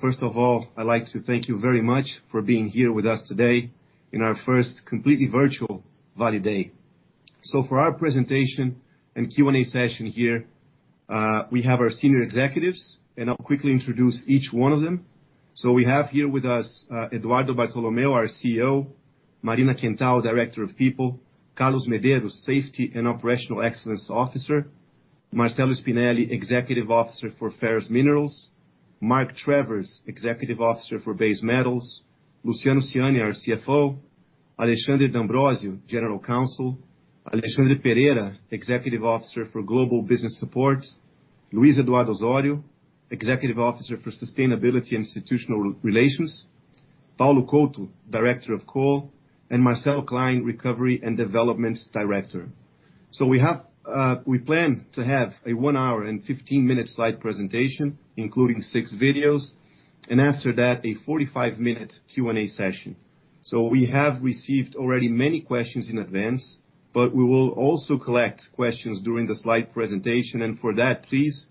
First of all, I'd like to thank you very much for being here with us today in our first completely virtual Vale Day. For our presentation and Q&A session here, we have our senior executives, and I'll quickly introduce each one of them. We have here with us, Eduardo Bartolomeo, our CEO, Marina Quental, Director of People, Carlos Medeiros, Safety and Operational Excellence Officer, Marcello Spinelli, Executive Officer for Ferrous Minerals, Mark Travers, Executive Director of Base Metals, Luciano Siani, our CFO, Alexandre D'Ambrosio, General Counsel, Alexandre Pereira, Executive Officer for Global Business Support, Luiz Eduardo Osorio, Executive Officer for Sustainability and Institutional Relations, Paulo Couto, Director of Coal, and Marcello Klein, Recovery and Developments Director. We plan to have a one hour and 15-minute slide presentation, including six videos, and after that, a 45-minute Q&A session. We have received already many questions in advance, but we will also collect questions during the slide presentation. For that, please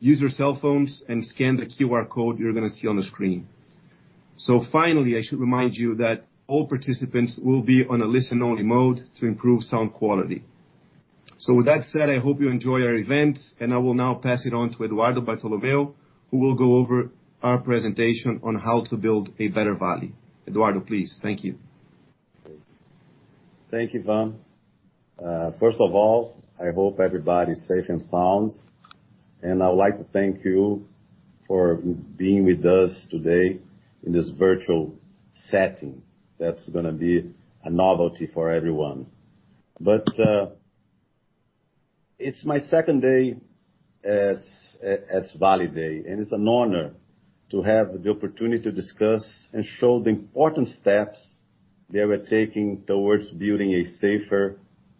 use your cell phones and scan the QR code you're going to see on the screen. Finally, I should remind you that all participants will be on a listen-only mode to improve sound quality. With that said, I hope you enjoy our event, and I will now pass it on to Eduardo Bartolomeo, who will go over our presentation on how to build a better Vale. Eduardo, please. Thank you. Thank you, Ivan. First of all, I hope everybody's safe and sound, I would like to thank you for being with us today in this virtual setting. That's gonna be a novelty for everyone. It's my second day as Vale Day, and it's an honor to have the opportunity to discuss and show the important steps that we're taking towards building a safer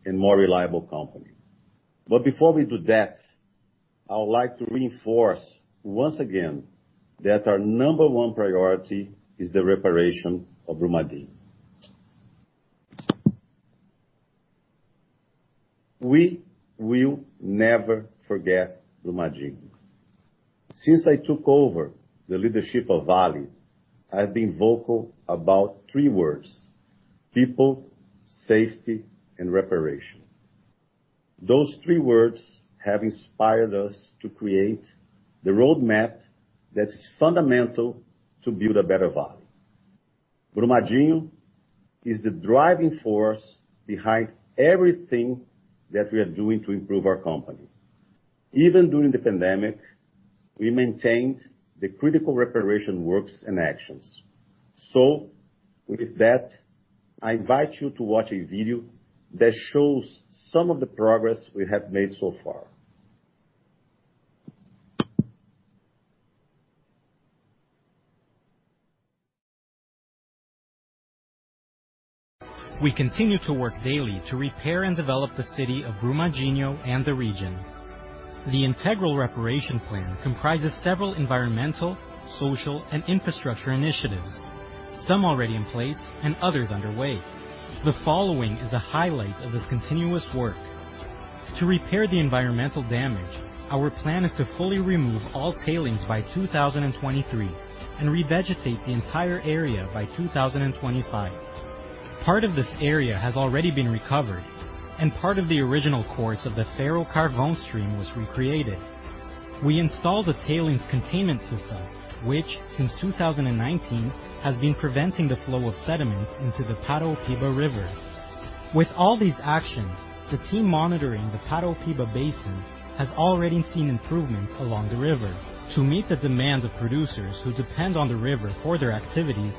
and more reliable company. Before we do that, I would like to reinforce once again that our number one priority is the reparation of Brumadinho. We will never forget Brumadinho. Since I took over the leadership of Vale, I've been vocal about three words: people, safety, and reparation. Those three words have inspired us to create the roadmap that's fundamental to build a better Vale. Brumadinho is the driving force behind everything that we are doing to improve our company. Even during the pandemic, we maintained the critical reparation works and actions. With that, I invite you to watch a video that shows some of the progress we have made so far. We continue to work daily to repair and develop the city of Brumadinho and the region. The integral reparation plan comprises several environmental, social, and infrastructure initiatives, some already in place and others underway. The following is a highlight of this continuous work. To repair the environmental damage, our plan is to fully remove all tailings by 2023 and revegetate the entire area by 2025. Part of this area has already been recovered, and part of the original course of the Ferro-Carvão Stream was recreated. We installed the tailings containment system, which since 2019 has been preventing the flow of sediments into the Paraopeba River. With all these actions, the team monitoring the Paraopeba Basin has already seen improvements along the river. To meet the demands of producers who depend on the river for their activities,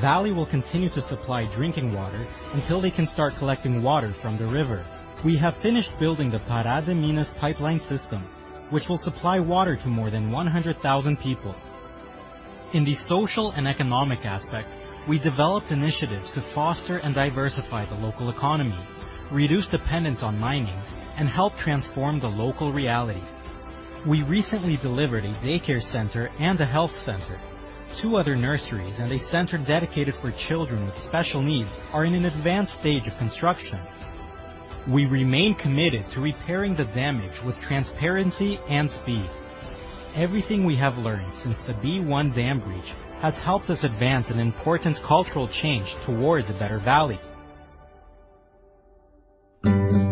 Vale will continue to supply drinking water until they can start collecting water from the river. We have finished building the Pará de Minas pipeline system, which will supply water to more than 100,000 people. In the social and economic aspect, we developed initiatives to foster and diversify the local economy, reduce dependence on mining, and help transform the local reality. We recently delivered a daycare center and a health center. Two other nurseries and a center dedicated for children with special needs are in an advanced stage of construction. We remain committed to repairing the damage with transparency and speed. Everything we have learned since the B1 dam breach has helped us advance an important cultural change towards a better Vale. You can see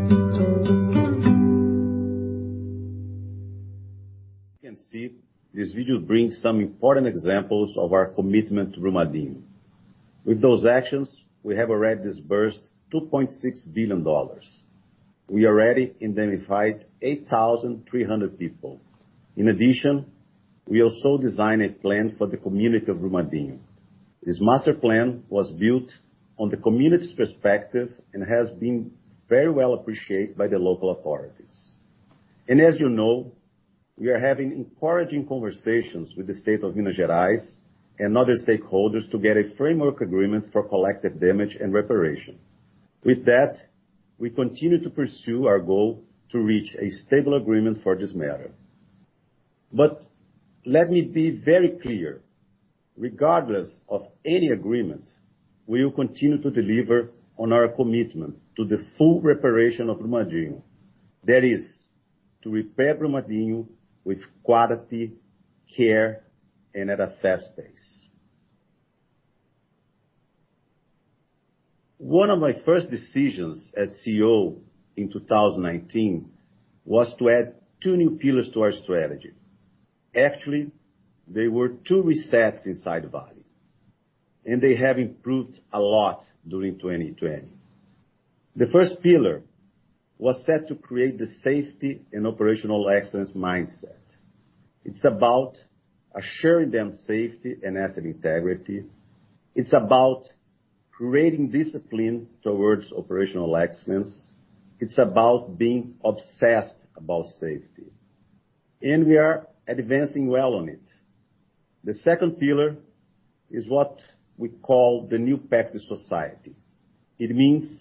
this video brings some important examples of our commitment to Brumadinho. With those actions, we have already disbursed BRL 2.6 billion. We already identified 8,300 people. In addition, we also designed a plan for the community of Brumadinho. This master plan was built on the community's perspective and has been very well appreciated by the local authorities. As you know, we are having encouraging conversations with the state of Minas Gerais and other stakeholders to get a framework agreement for collective damage and reparation. With that, we continue to pursue our goal to reach a stable agreement for this matter. Let me be very clear. Regardless of any agreement, we will continue to deliver on our commitment to the full reparation of Brumadinho. That is to repair Brumadinho with quality, care, and at a fast pace. One of my first decisions as CEO in 2019 was to add two new pillars to our strategy. Actually, they were two resets inside Vale, and they have improved a lot during 2020. The first pillar was set to create the safety and operational excellence mindset. It's about assuring them safety and asset integrity. It's about creating discipline towards operational excellence. It's about being obsessed about safety, and we are advancing well on it. The second pillar is what we call the new pact with society. It means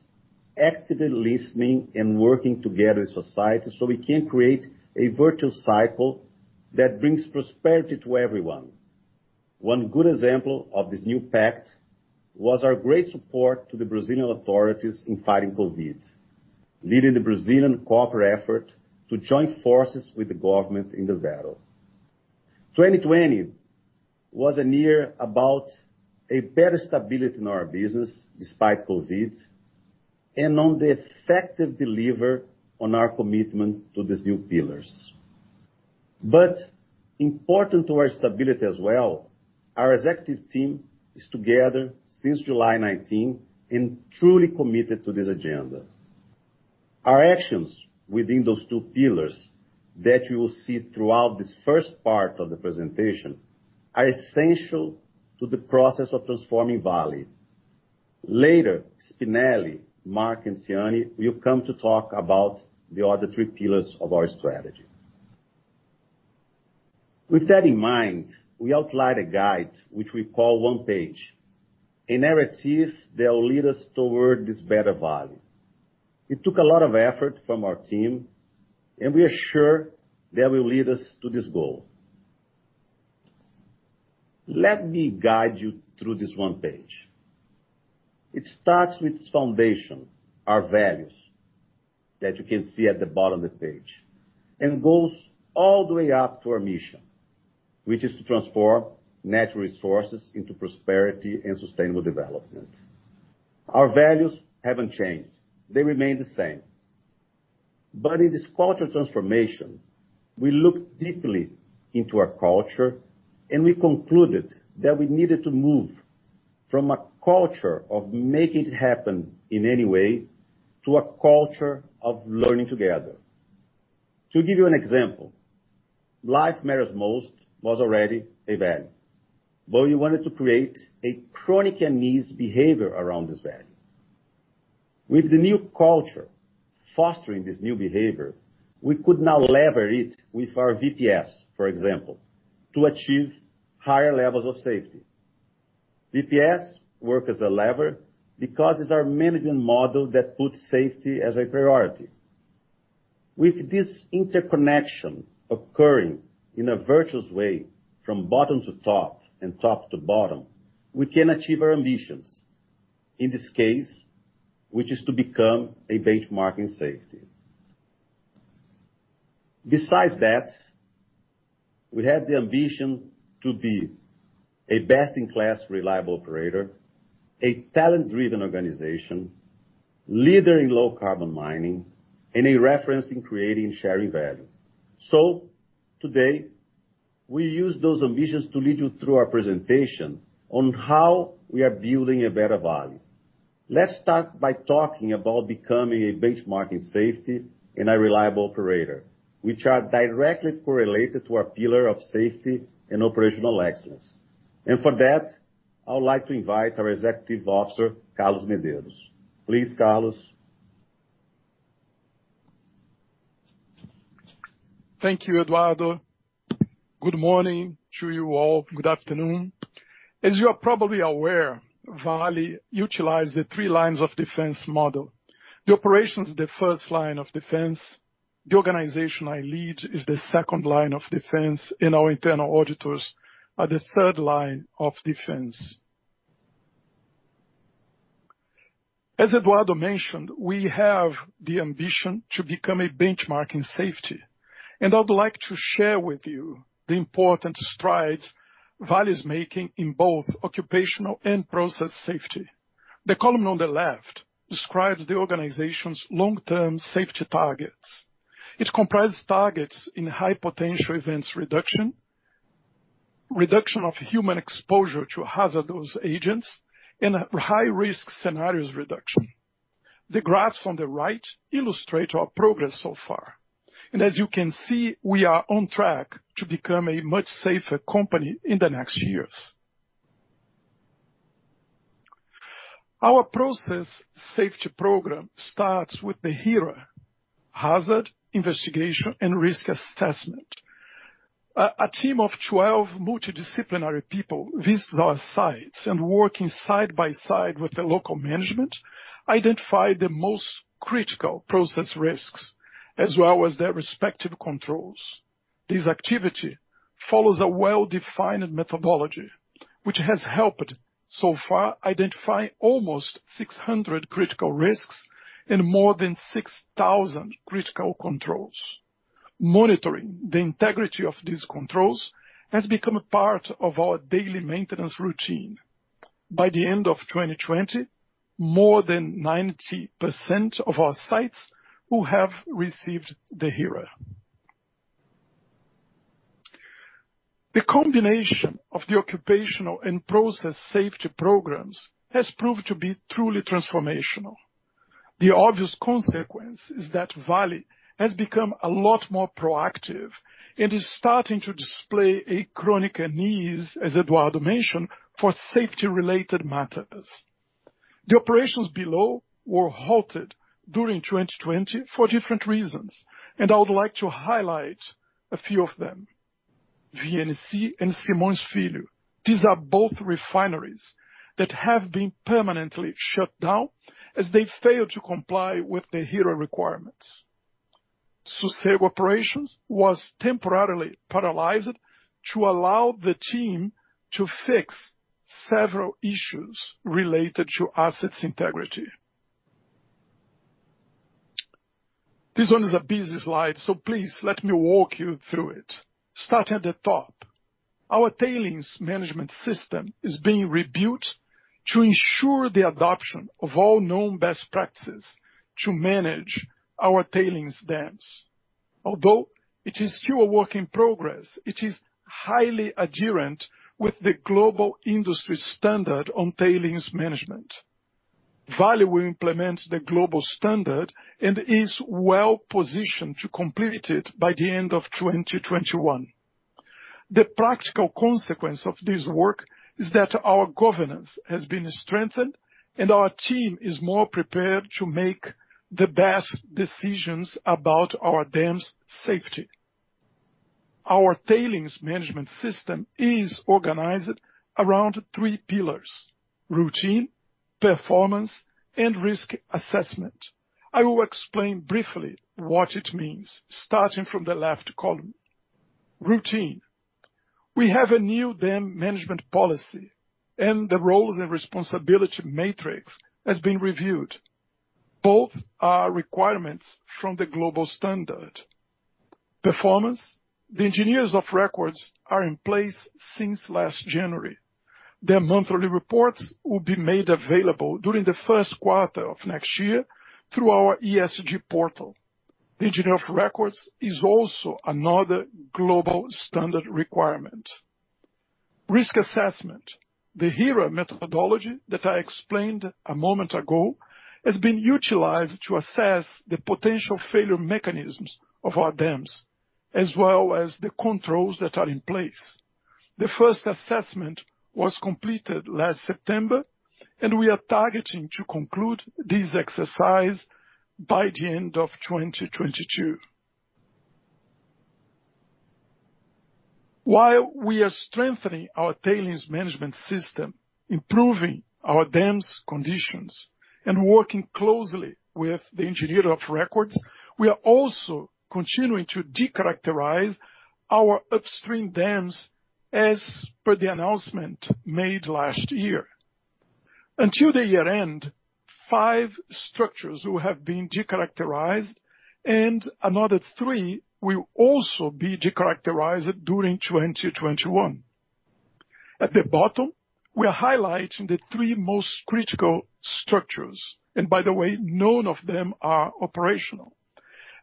actively listening and working together with society so we can create a virtual cycle that brings prosperity to everyone. One good example of this new pact was our great support to the Brazilian authorities in fighting COVID, leading the Brazilian corporate effort to join forces with the government in the battle. 2020 was a year about a better stability in our business despite COVID, on the effective deliver on our commitment to these new pillars. Important to our stability as well, our executive team is together since July 2019 and truly committed to this agenda. Our actions within those two pillars that you will see throughout this first part of the presentation are essential to the process of transforming Vale. Later, Spinelli, Mark, and Siani will come to talk about the other three pillars of our strategy. With that in mind, we outlined a guide which we call One Page, a narrative that will lead us toward this better Vale. It took a lot of effort from our team, and we are sure that will lead us to this goal. Let me guide you through this one Page. It starts with its foundation, our values, that you can see at the bottom of the page, and goes all the way up to our mission, which is to transform natural resources into prosperity and sustainable development. Our values haven't changed. They remain the same. In this culture transformation, we look deeply into our culture, and we concluded that we needed to move from a culture of making it happen in any way to a culture of learning together. To give you an example, Life matters most was already a value, but we wanted to create a chronic and niche behavior around this value. With the new culture fostering this new behavior, we could now lever it with our VPS, for example, to achieve higher levels of safety. VPS work as a lever because it's our management model that puts safety as a priority. With this interconnection occurring in a virtuous way from bottom to top and top to bottom, we can achieve our ambitions. In this case, which is to become a benchmark in safety. Besides that, we have the ambition to be a best-in-class reliable operator, a talent-driven organization, leader in low carbon mining, and a reference in creating and sharing value. Today, we use those ambitions to lead you through our presentation on how we are building a better Vale. Let's start by talking about becoming a benchmark in safety and a reliable operator, which are directly correlated to our pillar of safety and operational excellence. For that, I would like to invite our Executive Officer, Carlos Medeiros. Please, Carlos. Thank you, Eduardo. Good morning to you all. Good afternoon. As you are probably aware, Vale utilizes the three lines of defense model. The operations are the first line of defense. The organization I lead is the second line of defense, and our internal auditors are the third line of defense. As Eduardo mentioned, we have the ambition to become a benchmark in safety, and I would like to share with you the important strides Vale is making in both occupational and process safety. The column on the left describes the organization's long-term safety targets. It comprises targets in high potential events reduction of human exposure to hazardous agents, and high-risk scenarios reduction. The graphs on the right illustrate our progress so far. As you can see, we are on track to become a much safer company in the next years. Our process safety program starts with the HIRA, Hazard Investigation and Risk Asessment. A team of 12 multidisciplinary people visit our sites and working side by side with the local management, identify the most critical process risks as well as their respective controls. This activity follows a well-defined methodology, which has helped so far identify almost 600 critical risks and more than 6,000 critical controls. Monitoring the integrity of these controls has become a part of our daily maintenance routine. By the end of 2020, more than 90% of our sites will have received the HIRA. The combination of the occupational and process safety programs has proved to be truly transformational. The obvious consequence is that Vale has become a lot more proactive and is starting to display a chronic unease, as Eduardo mentioned, for safety-related matters. The operations below were halted during 2020 for different reasons. I would like to highlight a few of them. VNC and Simões Filho, these are both refineries that have been permanently shut down as they failed to comply with the HIRA requirements. Sucesso operations were temporarily paralyzed to allow the team to fix several issues related to assets' integrity. This one is a busy slide. Please let me walk you through it. Starting at the top, our tailings management system is being rebuilt to ensure the adoption of all known best practices to manage our tailings dams. Although it is still a work in progress, it is highly adherent with the global industry standard on tailings management. Vale will implement the global standard and is well-positioned to complete it by the end of 2021. The practical consequence of this work is that our governance has been strengthened, and our team is more prepared to make the best decisions about our dams' safety. Our tailings management system is organized around three pillars: routine, performance, and risk assessment. I will explain briefly what it means starting from the left column. Routine. We have a new dam management policy, and the roles and responsibility matrix has been reviewed. Both are requirements from the global standard. Performance. The engineers of record are in place since last January. Their monthly reports will be made available during the first quarter of next year through our ESG portal. The engineer of record is also another global standard requirement. Risk assessment. The HIRA methodology that I explained a moment ago has been utilized to assess the potential failure mechanisms of our dams, as well as the controls that are in place. The first assessment was completed last September, and we are targeting to conclude this exercise by the end of 2022. While we are strengthening our tailings management system, improving our dams' conditions, and working closely with the engineer of record, we are also continuing to decharacterize our upstream dams as per the announcement made last year. Until the year-end, five structures will have been decharacterized and another three will also be decharacterized during 2021. At the bottom, we are highlighting the three most critical structures. By the way, none of them are operational.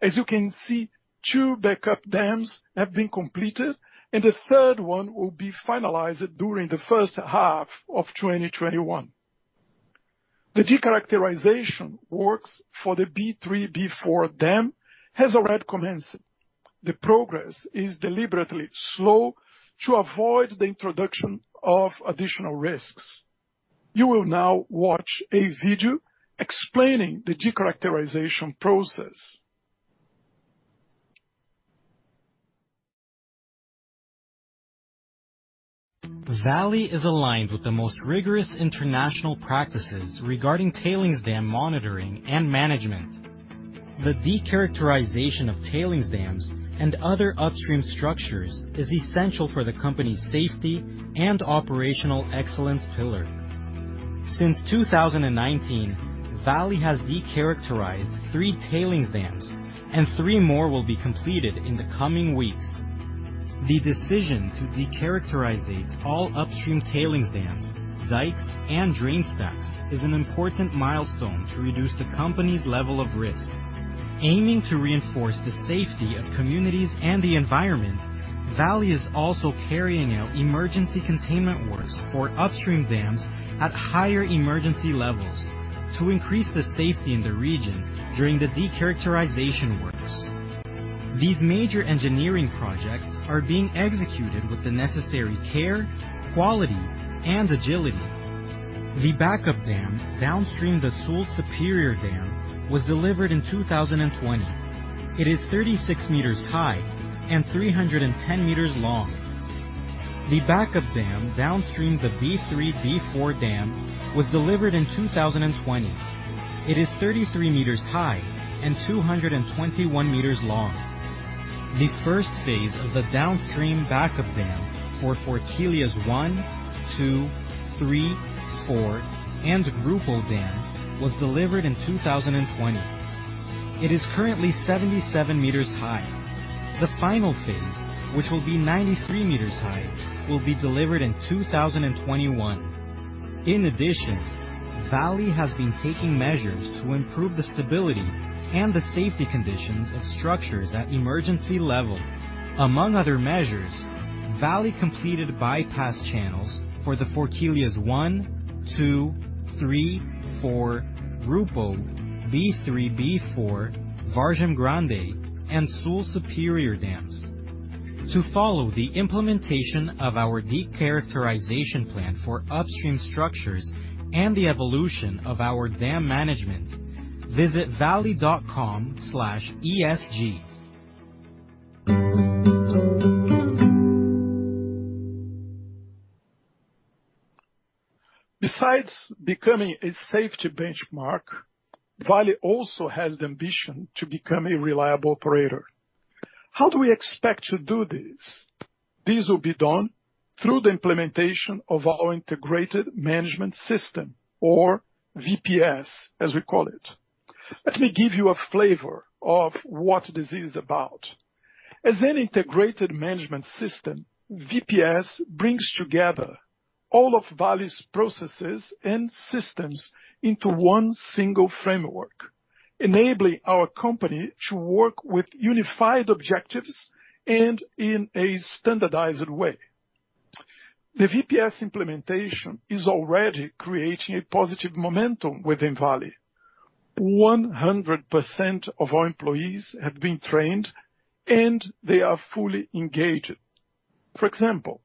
As you can see, two backup dams have been completed, and the third one will be finalized during the first half of 2021. The decharacterization works for the B3B4 dam has already commenced. The progress is deliberately slow to avoid the introduction of additional risks. You will now watch a video explaining the decharacterization process. Vale is aligned with the most rigorous international practices regarding tailings dam monitoring and management. The decharacterization of tailings dams and other upstream structures is essential for the company's safety and operational excellence pillar. Since 2019, Vale has decharacterized three tailings dams, and three more will be completed in the coming weeks. The decision to decharacterize it, all upstream tailings dams, dikes, and drain stacks is an important milestone to reduce the company's level of risk. Aiming to reinforce the safety of communities and the environment, Vale is also carrying out emergency containment works for upstream dams at higher emergency levels to increase the safety in the region during the decharacterization works. These major engineering projects are being executed with the necessary care, quality, and agility. The backup dam downstream the Sul Superior dam was delivered in 2020. It is 36 m high and 310 meters long. The backup dam downstream, the B3/B4 dam, was delivered in 2020. It is 33 m high and 221 m long. The first phase of the downstream backup dam for Forquilhas I, II, III, IV, and Grupo Dam was delivered in 2020. It is currently 77 m high. The final phase, which will be 93 m high, will be delivered in 2021. In addition, Vale has been taking measures to improve the stability and the safety conditions of structures at emergency level. Among other measures, Vale completed bypass channels for the Forquilhas I, II, III, IV, Grupo, B3, B4, Vargem Grande, and Sul Superior dams. To follow the implementation of our de-characterization plan for upstream structures and the evolution of our dam management, visit vale.com/esg. Besides becoming a safety benchmark, Vale also has the ambition to become a reliable operator. How do we expect to do this? This will be done through the implementation of our integrated management system, or VPS, as we call it. Let me give you a flavor of what this is about. As an integrated management system, VPS brings together all of Vale's processes and systems into one single framework, enabling our company to work with unified objectives and in a standardized way. The VPS implementation is already creating a positive momentum within Vale. 100% of our employees have been trained, and they are fully engaged. For example,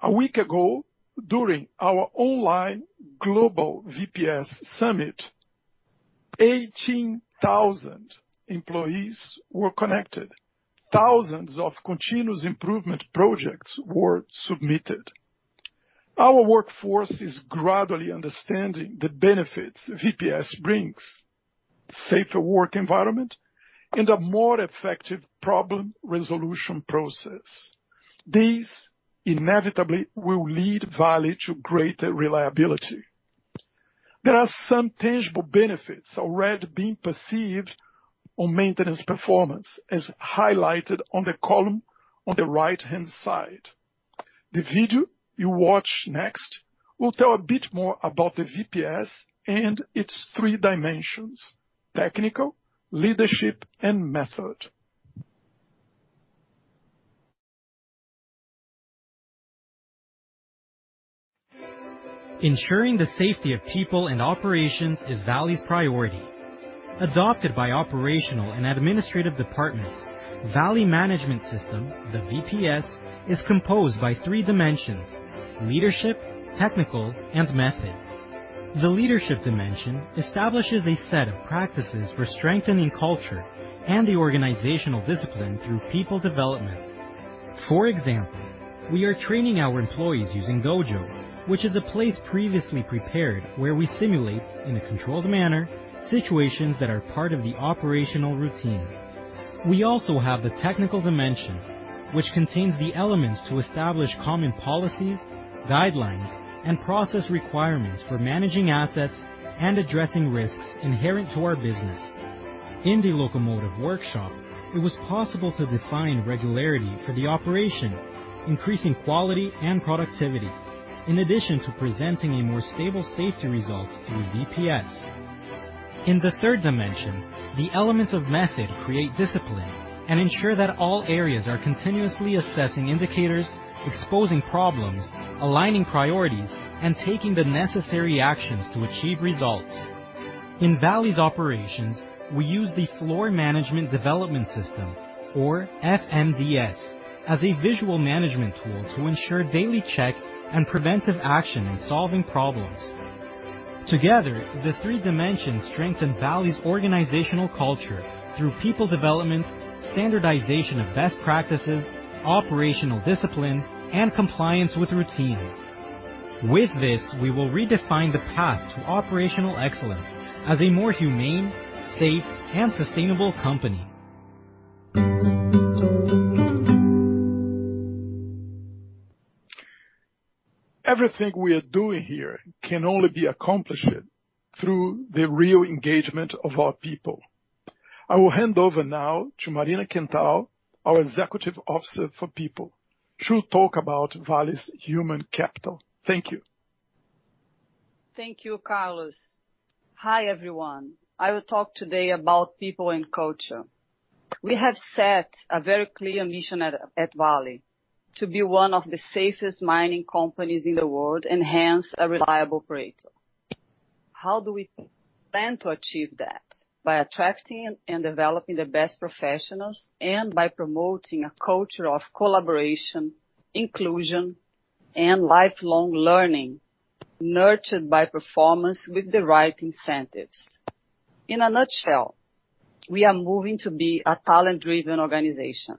a week ago, during our online global VPS summit, 18,000 employees were connected. Thousands of continuous improvement projects were submitted. Our workforce is gradually understanding the benefits VPS brings. Safer work environment and a more effective problem resolution process. These inevitably will lead Vale to greater reliability. There are some tangible benefits already being perceived on maintenance performance, as highlighted on the column on the right-hand side. The video you watch next will tell a bit more about the VPS and its three dimensions, technical, leadership, and method. Ensuring the safety of people in operations is Vale's priority. Adopted by operational and administrative departments, Vale Management System, the VPS, is composed by three dimensions: leadership, technical, and method. The leadership dimension establishes a set of practices for strengthening culture and the organizational discipline through people development. For example, we are training our employees using Dojo, which is a place previously prepared where we simulate, in a controlled manner, situations that are part of the operational routine. We also have the technical dimension, which contains the elements to establish common policies, guidelines, and process requirements for managing assets and addressing risks inherent to our business. In the locomotive workshop, it was possible to define regularity for the operation, increasing quality and productivity, in addition to presenting a more stable safety result through VPS. In the third dimension, the elements of method create discipline and ensure that all areas are continuously assessing indicators, exposing problems, aligning priorities, and taking the necessary actions to achieve results. In Vale's operations, we use the Floor Management Development System, or FMDS, as a visual management tool to ensure daily check and preventive action in solving problems. Together, the three dimensions strengthen Vale's organizational culture through people development, standardization of best practices, operational discipline, and compliance with routine. With this, we will redefine the path to operational excellence as a more humane, safe, and sustainable company. Everything we are doing here can only be accomplished through the real engagement of our people. I will hand over now to Marina Quental, our Executive Officer for People. She'll talk about Vale's human capital. Thank you. Thank you, Carlos. Hi, everyone. I will talk today about people and culture. We have set a very clear mission at Vale, to be one of the safest mining companies in the world, and hence, a reliable operator. How do we plan to achieve that? By attracting and developing the best professionals and by promoting a culture of collaboration, inclusion, and lifelong learning nurtured by performance with the right incentives. In a nutshell, we are moving to be a talent-driven organization.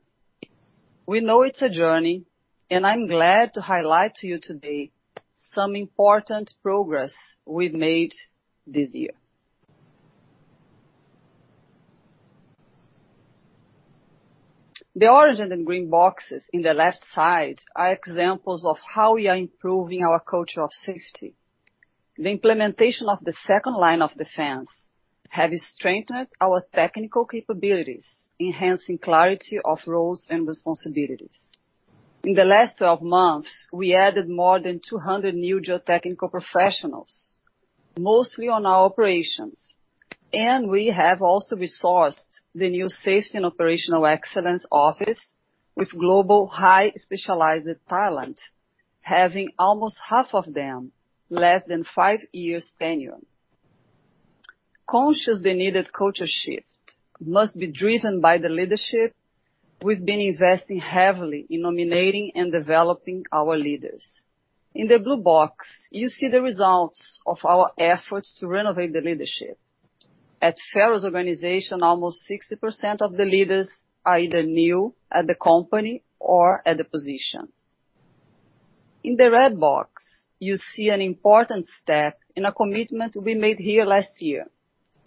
We know it's a journey, and I'm glad to highlight to you today some important progress we've made this year. The orange and green boxes in the left side are examples of how we are improving our culture of safety. The implementation of the second line of defense has strengthened our technical capabilities, enhancing clarity of roles and responsibilities. In the last 12 months, we added more than 200 new geotechnical professionals, mostly on our operations, and we have also resourced the new safety and operational excellence office with global highly specialized talent, having almost half of them less than five years' tenure. Conscious the needed culture shift must be driven by the leadership, we've been investing heavily in nominating and developing our leaders. In the blue box, you see the results of our efforts to renovate the leadership. At Ferrous's organization, almost 60% of the leaders are either new at the company or at the position. In the red box, you see an important step in a commitment we made here last year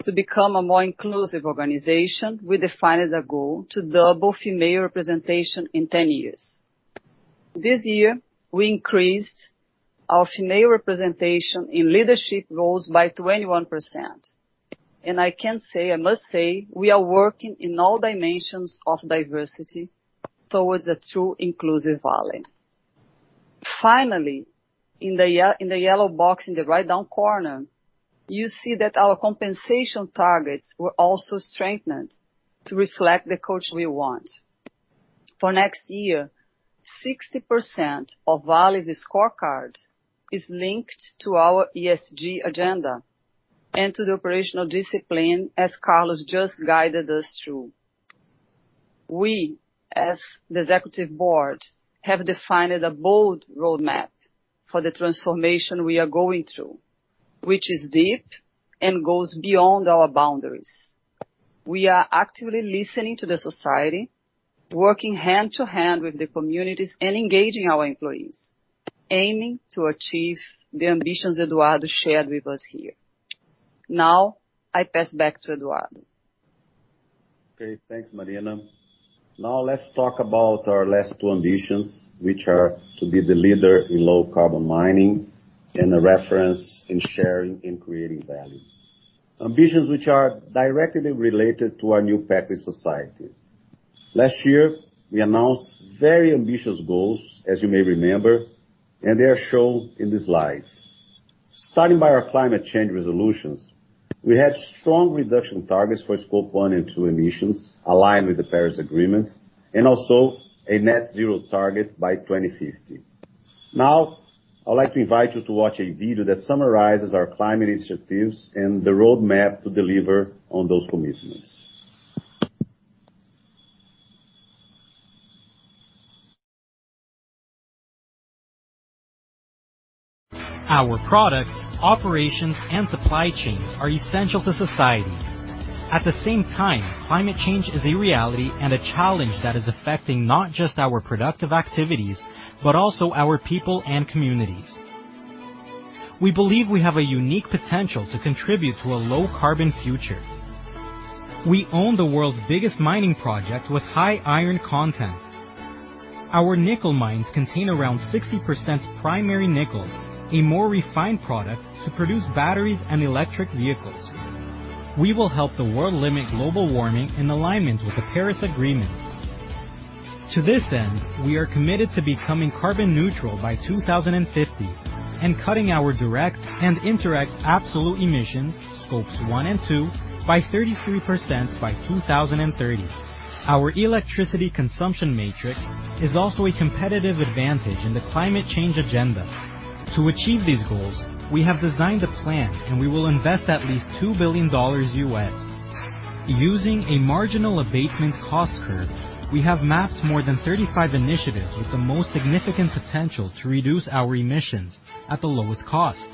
to become a more inclusive organization, we defined the goal to double female representation in 10 years. This year, we increased our female representation in leadership roles by 21%. I must say, we are working in all dimensions of diversity towards a true inclusive Vale. Finally, in the yellow box in the right down corner, you see that our compensation targets were also strengthened to reflect the culture we want. For next year, 60% of Vale's scorecards is linked to our ESG agenda and to the operational discipline as Carlos just guided us through. We, as the executive board, have defined a bold roadmap for the transformation we are going through, which is deep and goes beyond our boundaries. We are actively listening to the society, working hand-to-hand with the communities, and engaging our employees, aiming to achieve the ambitions Eduardo shared with us here. I pass back to Eduardo. Okay, thanks, Marina. Let's talk about our last two ambitions, which are to be the leader in low carbon mining and a reference in sharing and creating value. Ambitions which are directly related to our new pact with society. Last year, we announced very ambitious goals, as you may remember, and they are shown in the slides. Starting by our climate change resolutions, we had strong reduction targets for Scope 1 and 2 emissions aligned with the Paris Agreement, and also a net zero target by 2050. I would like to invite you to watch a video that summarizes our climate initiatives and the roadmap to deliver on those commitments. Our products, operations, and supply chains are essential to society. At the same time, climate change is a reality and a challenge that is affecting not just our productive activities, but also our people and communities. We believe we have a unique potential to contribute to a low carbon future. We own the world's biggest mining project with high iron content. Our nickel mines contain around 60% primary nickel, a more refined product to produce batteries and electric vehicles. We will help the world limit global warming in alignment with the Paris Agreement. To this end, we are committed to becoming carbon neutral by 2050 and cutting our direct and indirect absolute emissions, Scope 1 and 2, by 33% by 2030. Our electricity consumption matrix is also a competitive advantage in the climate change agenda. To achieve these goals, we have designed a plan, we will invest at least $2 billion. Using a marginal abatement cost curve, we have mapped more than 35 initiatives with the most significant potential to reduce our emissions at the lowest cost.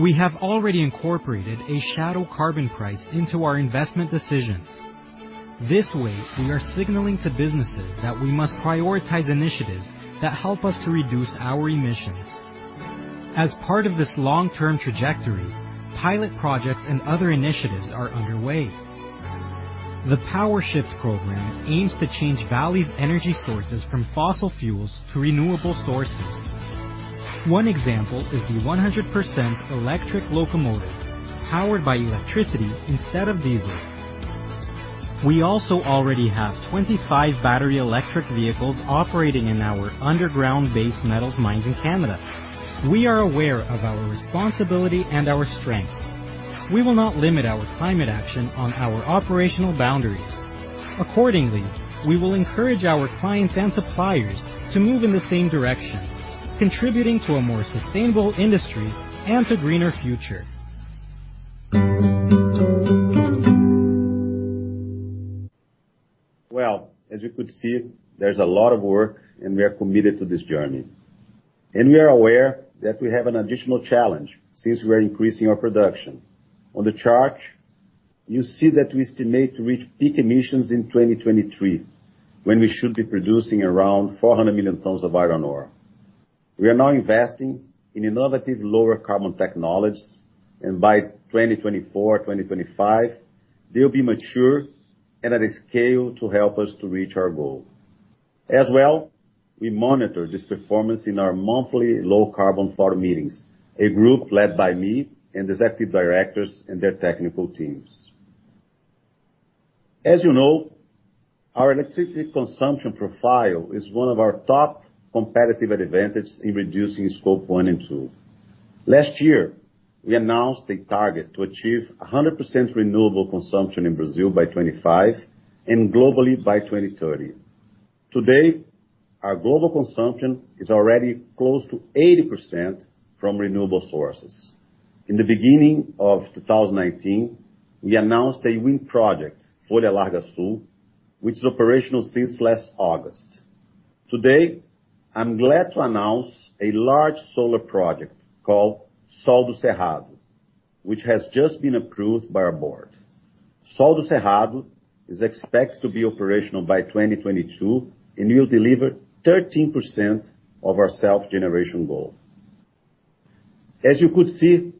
We have already incorporated a shadow carbon price into our investment decisions. This way, we are signaling to businesses that we must prioritize initiatives that help us to reduce our emissions. As part of this long-term trajectory, pilot projects and other initiatives are underway. The PowerShift program aims to change Vale's energy sources from fossil fuels to renewable sources. One example is the 100% electric locomotive powered by electricity instead of diesel. We also already have 25 battery electric vehicles operating in our underground base metals mines in Canada. We are aware of our responsibility and our strengths. We will not limit our climate action on our operational boundaries. Accordingly, we will encourage our clients and suppliers to move in the same direction, contributing to a more sustainable industry and to greener future. Well, as you could see, there's a lot of work. We are committed to this journey. We are aware that we have an additional challenge since we're increasing our production. On the chart, you see that we estimate to reach peak emissions in 2023, when we should be producing around 400 million tons of iron ore. We are now investing in innovative lower carbon technologies, and by 2024, 2025, they'll be mature and at a scale to help us to reach our goal. As well, we monitor this performance in our monthly low carbon board meetings, a group led by me and executive directors and their technical teams. As you know, our electricity consumption profile is one of our top competitive advantage in reducing Scope 1 and 2. Last year, we announced a target to achieve 100% renewable consumption in Brazil by 2025 and globally by 2030. Today, our global consumption is already close to 80% from renewable sources. In the beginning of 2019, we announced a wind project, Folha Larga Sul, which is operational since last August. Today, I am glad to announce a large solar project called Sol do Cerrado, which has just been approved by our board. Sol do Cerrado is expected to be operational by 2022 and will deliver 13% of our self-generation goal. As you could see,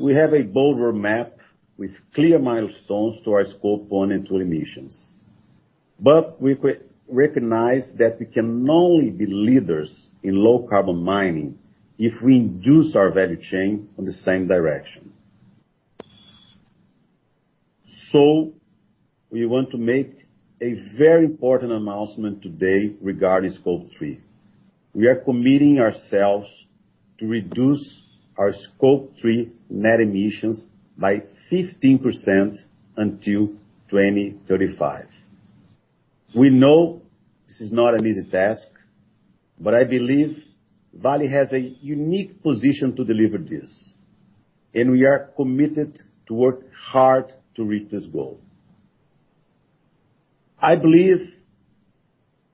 we have a bolder map with clear milestones to our Scope 1 and 2 emissions. We recognize that we can only be leaders in low carbon mining if we induce our value chain in the same direction. We want to make a very important announcement today regarding Scope 3. We are committing ourselves to reduce our Scope 3 net emissions by 15% until 2035. We know this is not an easy task, but I believe Vale has a unique position to deliver this, and we are committed to work hard to reach this goal. I believe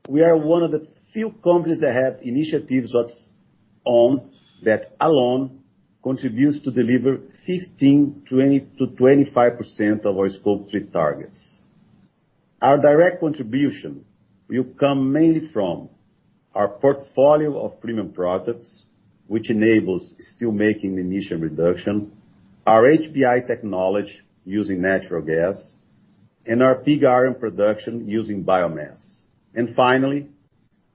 we are one of the few companies that have initiatives that alone contributes to deliver 15%-25% of our Scope 3 targets. Our direct contribution will come mainly from our portfolio of premium products, which enables steelmaking emission reduction, our HBI technology using natural gas, and our pig iron production using biomass. Finally,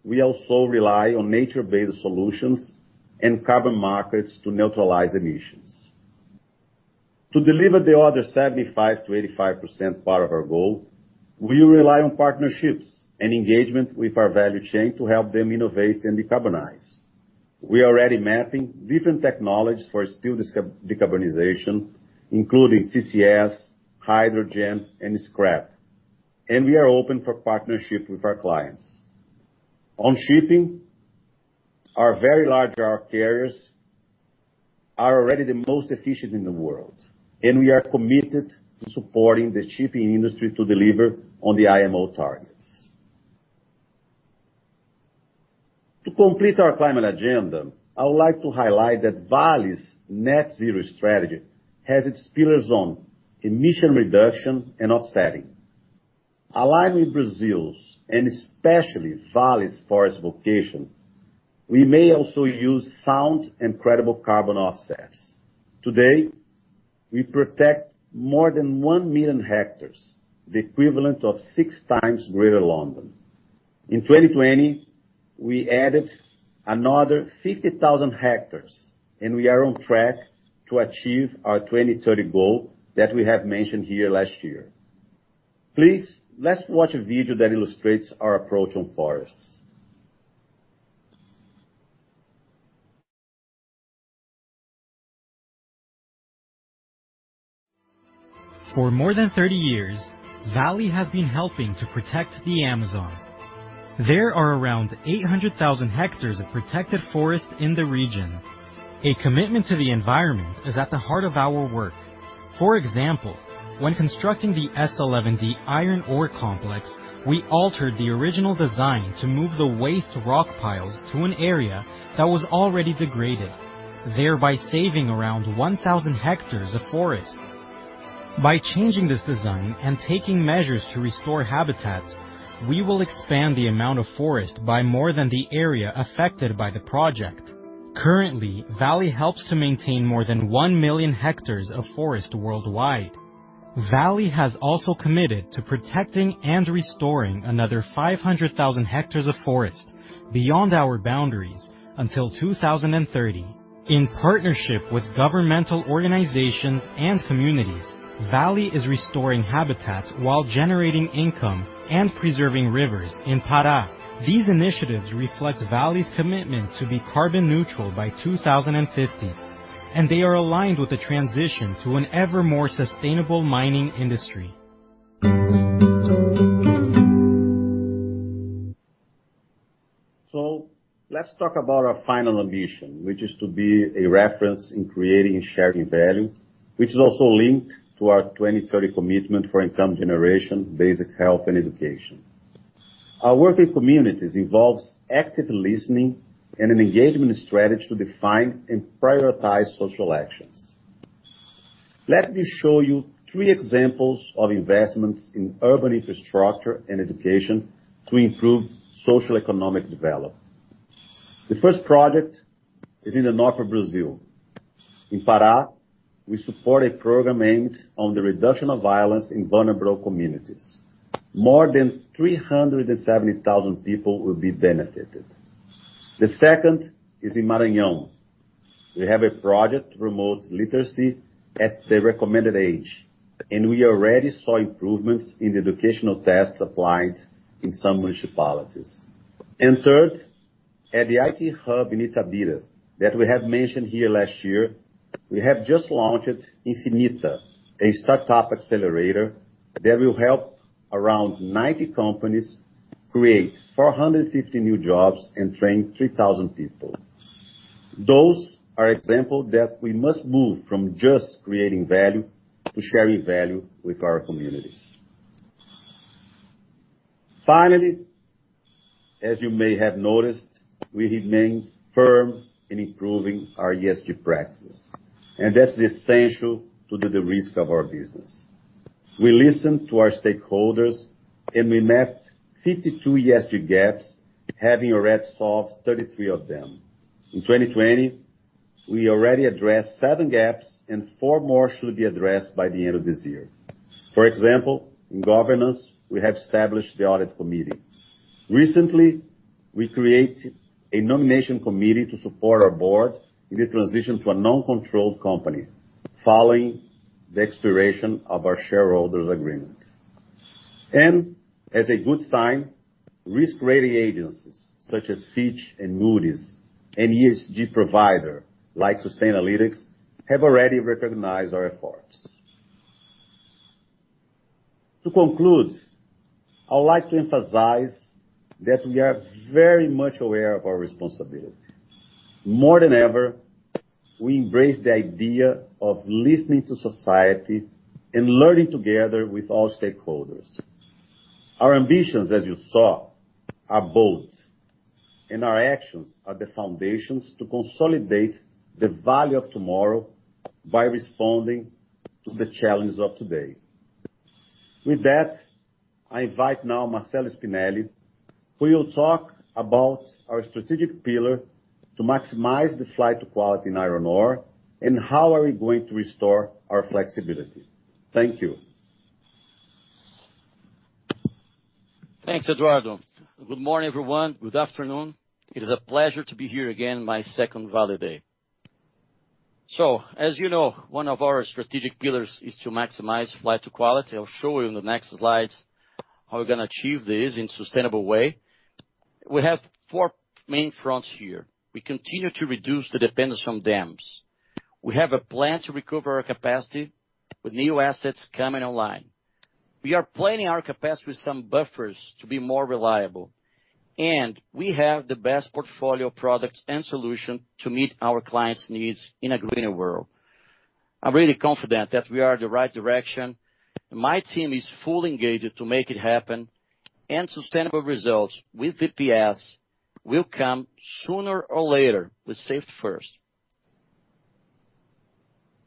we also rely on nature-based solutions and carbon markets to neutralize emissions. To deliver the other 75%-85% part of our goal, we rely on partnerships and engagement with our value chain to help them innovate and decarbonize. We are already mapping different technologies for steel decarbonization, including CCS, hydrogen, and scrap, and we are open for partnership with our clients. On shipping, our very large bulk carriers are already the most efficient in the world, and we are committed to supporting the shipping industry to deliver on the IMO targets. To complete our climate agenda, I would like to highlight that Vale's net zero strategy has its pillars on emission reduction and offsetting. Aligned with Brazil's, and especially Vale's forest vocation, we may also use sound and credible carbon offsets. Today, we protect more than 1 million hectares, the equivalent of six times greater London. In 2020, we added another 50,000 hectares, and we are on track to achieve our 2030 goal that we have mentioned here last year. Please, let's watch a video that illustrates our approach on forests. For more than 30 years, Vale has been helping to protect the Amazon. There are around 800,000 hectares of protected forest in the region. A commitment to the environment is at the heart of our work. For example, when constructing the S11D iron ore complex, we altered the original design to move the waste rock piles to an area that was already degraded, thereby saving around 1,000 hectares of forest. By changing this design and taking measures to restore habitats, we will expand the amount of forest by more than the area affected by the project. Currently, Vale helps to maintain more than 1 million hectares of forest worldwide. Vale has also committed to protecting and restoring another 500,000 hectares of forest beyond our boundaries until 2030. In partnership with governmental organizations and communities, Vale is restoring habitats while generating income and preserving rivers in Pará. These initiatives reflect Vale's commitment to be carbon neutral by 2050. They are aligned with the transition to an ever more sustainable mining industry. Let's talk about our final ambition, which is to be a reference in creating and sharing value, which is also linked to our 2030 commitment for income generation, basic health, and education. Our work with communities involves active listening and an engagement strategy to define and prioritize social actions. Let me show you three examples of investments in urban infrastructure and education to improve social economic development. The first project is in the north of Brazil. In Pará, we support a program aimed on the reduction of violence in vulnerable communities. More than 370,000 people will be benefited. The second is in Maranhão. We have a project to promote literacy at the recommended age, and we already saw improvements in the educational tests applied in some municipalities. Third, at the IT hub in Itabira that we have mentioned here last year, we have just launched Infinita, a startup accelerator that will help around 90 companies create 450 new jobs and train 3,000 people. Those are examples that we must move from just creating value to sharing value with our communities. Finally, as you may have noticed, we remain firm in improving our ESG practice, and that's essential to the risk of our business. We listened to our stakeholders, and we mapped 52 ESG gaps, having already solved 33 of them. In 2020, we already addressed seven gaps and four more should be addressed by the end of this year. For example, in governance, we have established the audit committee. Recently, we created a nomination committee to support our board in the transition to a non-controlled company following the expiration of our shareholders' agreement. As a good sign, risk rating agencies such as Fitch and Moody's, and ESG provider like Sustainalytics, have already recognized our efforts. To conclude, I would like to emphasize that we are very much aware of our responsibility. More than ever, we embrace the idea of listening to society and learning together with all stakeholders. Our ambitions, as you saw, are bold, and our actions are the foundations to consolidate the Vale of tomorrow by responding to the challenges of today. With that, I invite now Marcello Spinelli, who will talk about our strategic pillar to maximize the flight to quality in iron ore and how are we going to restore our flexibility. Thank you. Thanks, Eduardo. Good morning, everyone. Good afternoon. It is a pleasure to be here again my second Vale Day. As you know, one of our strategic pillars is to maximize fly to quality. I'll show you in the next slides how we're gonna achieve this in sustainable way. We have four main fronts here. We continue to reduce the dependence on dams. We have a plan to recover our capacity with new assets coming online. We are planning our capacity with some buffers to be more reliable, and we have the best portfolio products and solution to meet our clients' needs in a greener world. I'm really confident that we are the right direction. My team is fully engaged to make it happen, and sustainable results with EPS will come sooner or later with safety first.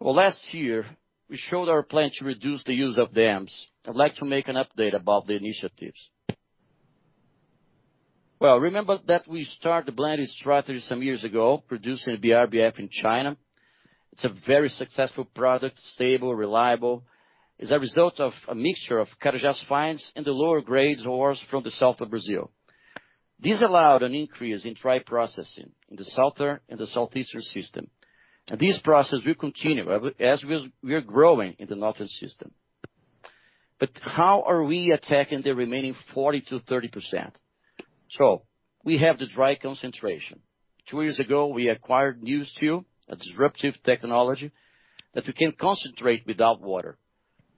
Well, last year, we showed our plan to reduce the use of dams. I'd like to make an update about the initiatives. Well, remember that we start the blended strategy some years ago, producing the BRBF in China. It's a very successful product, stable, reliable. As a result of a mixture of Carajás fines and the lower grades ores from the south of Brazil. This allowed an increase in dry processing in the southern and the southeastern system. This process will continue as we're growing in the northern system. How are we attacking the remaining 40%-30%? We have the dry concentration. Two years ago, we acquired NewSteel, a disruptive technology that we can concentrate without water.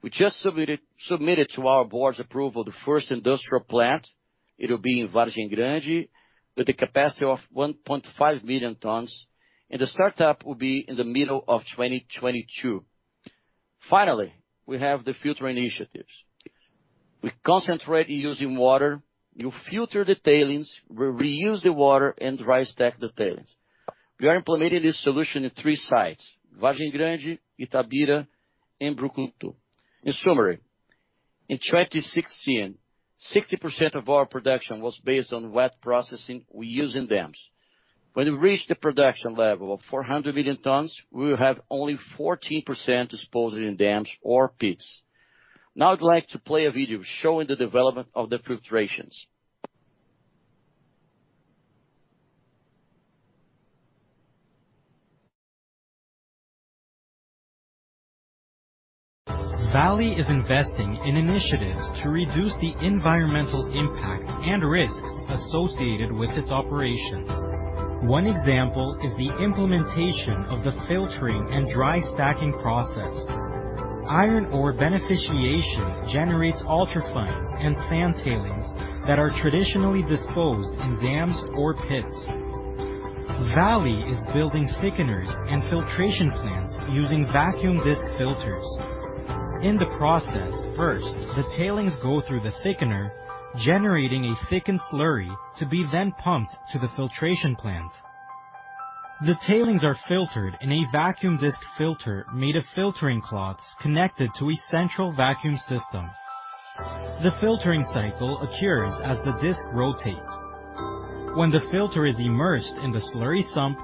We just submitted to our board's approval the first industrial plant. It'll be in Vargem Grande with a capacity of 1.5 million tons, and the startup will be in the middle of 2022. Finally, we have the filter initiatives. We concentrate using water. You filter the tailings. We reuse the water and rise stack the tailings. We are implementing this solution in three sites, Vargem Grande, Itabira, and Brucutu. In summary, in 2016, 60% of our production was based on wet processing reusing dams. When we reach the production level of 400 million tons, we will have only 14% disposed in dams or pits. Now, I'd like to play a video showing the development of the filtrations. Vale is investing in initiatives to reduce the environmental impact and risks associated with its operations. One example is the implementation of the filtering and dry stacking process. Iron ore beneficiation generates ultra-fine and sand tailings that are traditionally disposed in dams or pits. Vale is building thickeners and filtration plants using vacuum disc filters. In the process, first, the tailings go through the thickener, generating a thickened slurry to be then pumped to the filtration plant. The tailings are filtered in a vacuum disc filter made of filtering cloths connected to a central vacuum system. The filtering cycle occurs as the disc rotates. When the filter is immersed in the slurry sump,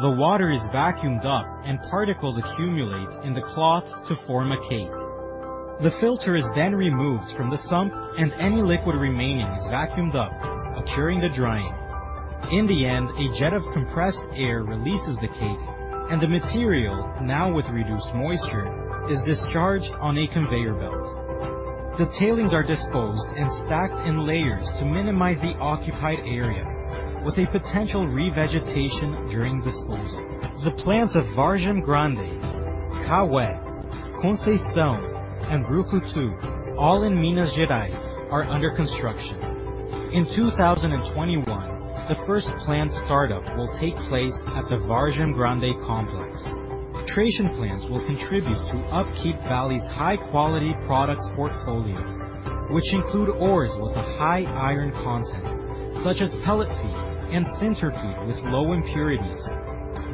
the water is vacuumed up, and particles accumulate in the cloths to form a cake. The filter is then removed from the sump, and any liquid remaining is vacuumed up, occurring the drying. In the end, a jet of compressed air releases the cake, and the material, now with reduced moisture, is discharged on a conveyor belt. The tailings are disposed and stacked in layers to minimize the occupied area, with a potential revegetation during disposal. The plants of Vargem Grande, Caeté, Conceição, and Itabiruçu, all in Minas Gerais, are under construction. In 2021, the first plant startup will take place at the Vargem Grande complex. Filtration plants will contribute to upkeep Vale's high-quality product portfolio, which include ores with a high iron content, such as pellet feed and sinter feed with low impurities.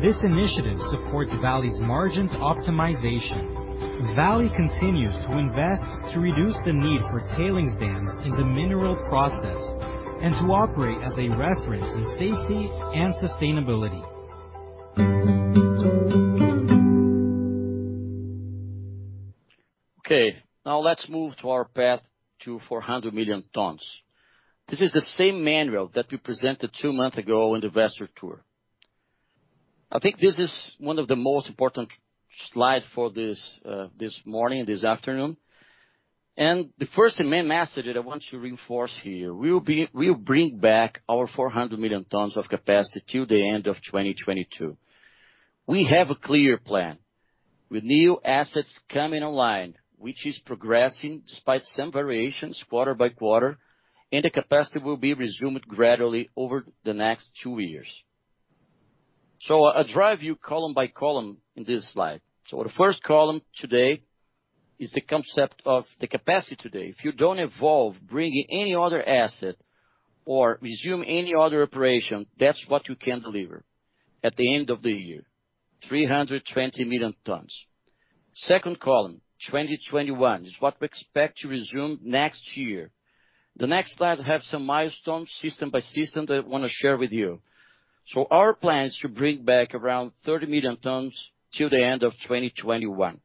This initiative supports Vale's margins optimization. Vale continues to invest to reduce the need for tailings dams in the mineral process and to operate as a reference in safety and sustainability. Okay. Now let's move to our path to 400 million tons. This is the same manual that we presented two months ago in the investor tour. I think this is one of the most important slide for this morning, this afternoon. The first and main message that I want to reinforce here, we'll bring back our 400 million tons of capacity till the end of 2022. We have a clear plan. With new assets coming online, which is progressing despite some variations quarter by quarter, the capacity will be resumed gradually over the next two years. I'll drive you column by column in this slide. The first column today is the concept of the capacity today. If you don't evolve, bring any other asset or resume any other operation, that's what you can deliver at the end of the year, 320 million tons. Second column, 2021, is what we expect to resume next year. The next slide have some milestones system by system that I want to share with you. Our plan is to bring back around 30 million tons till the end of 2021.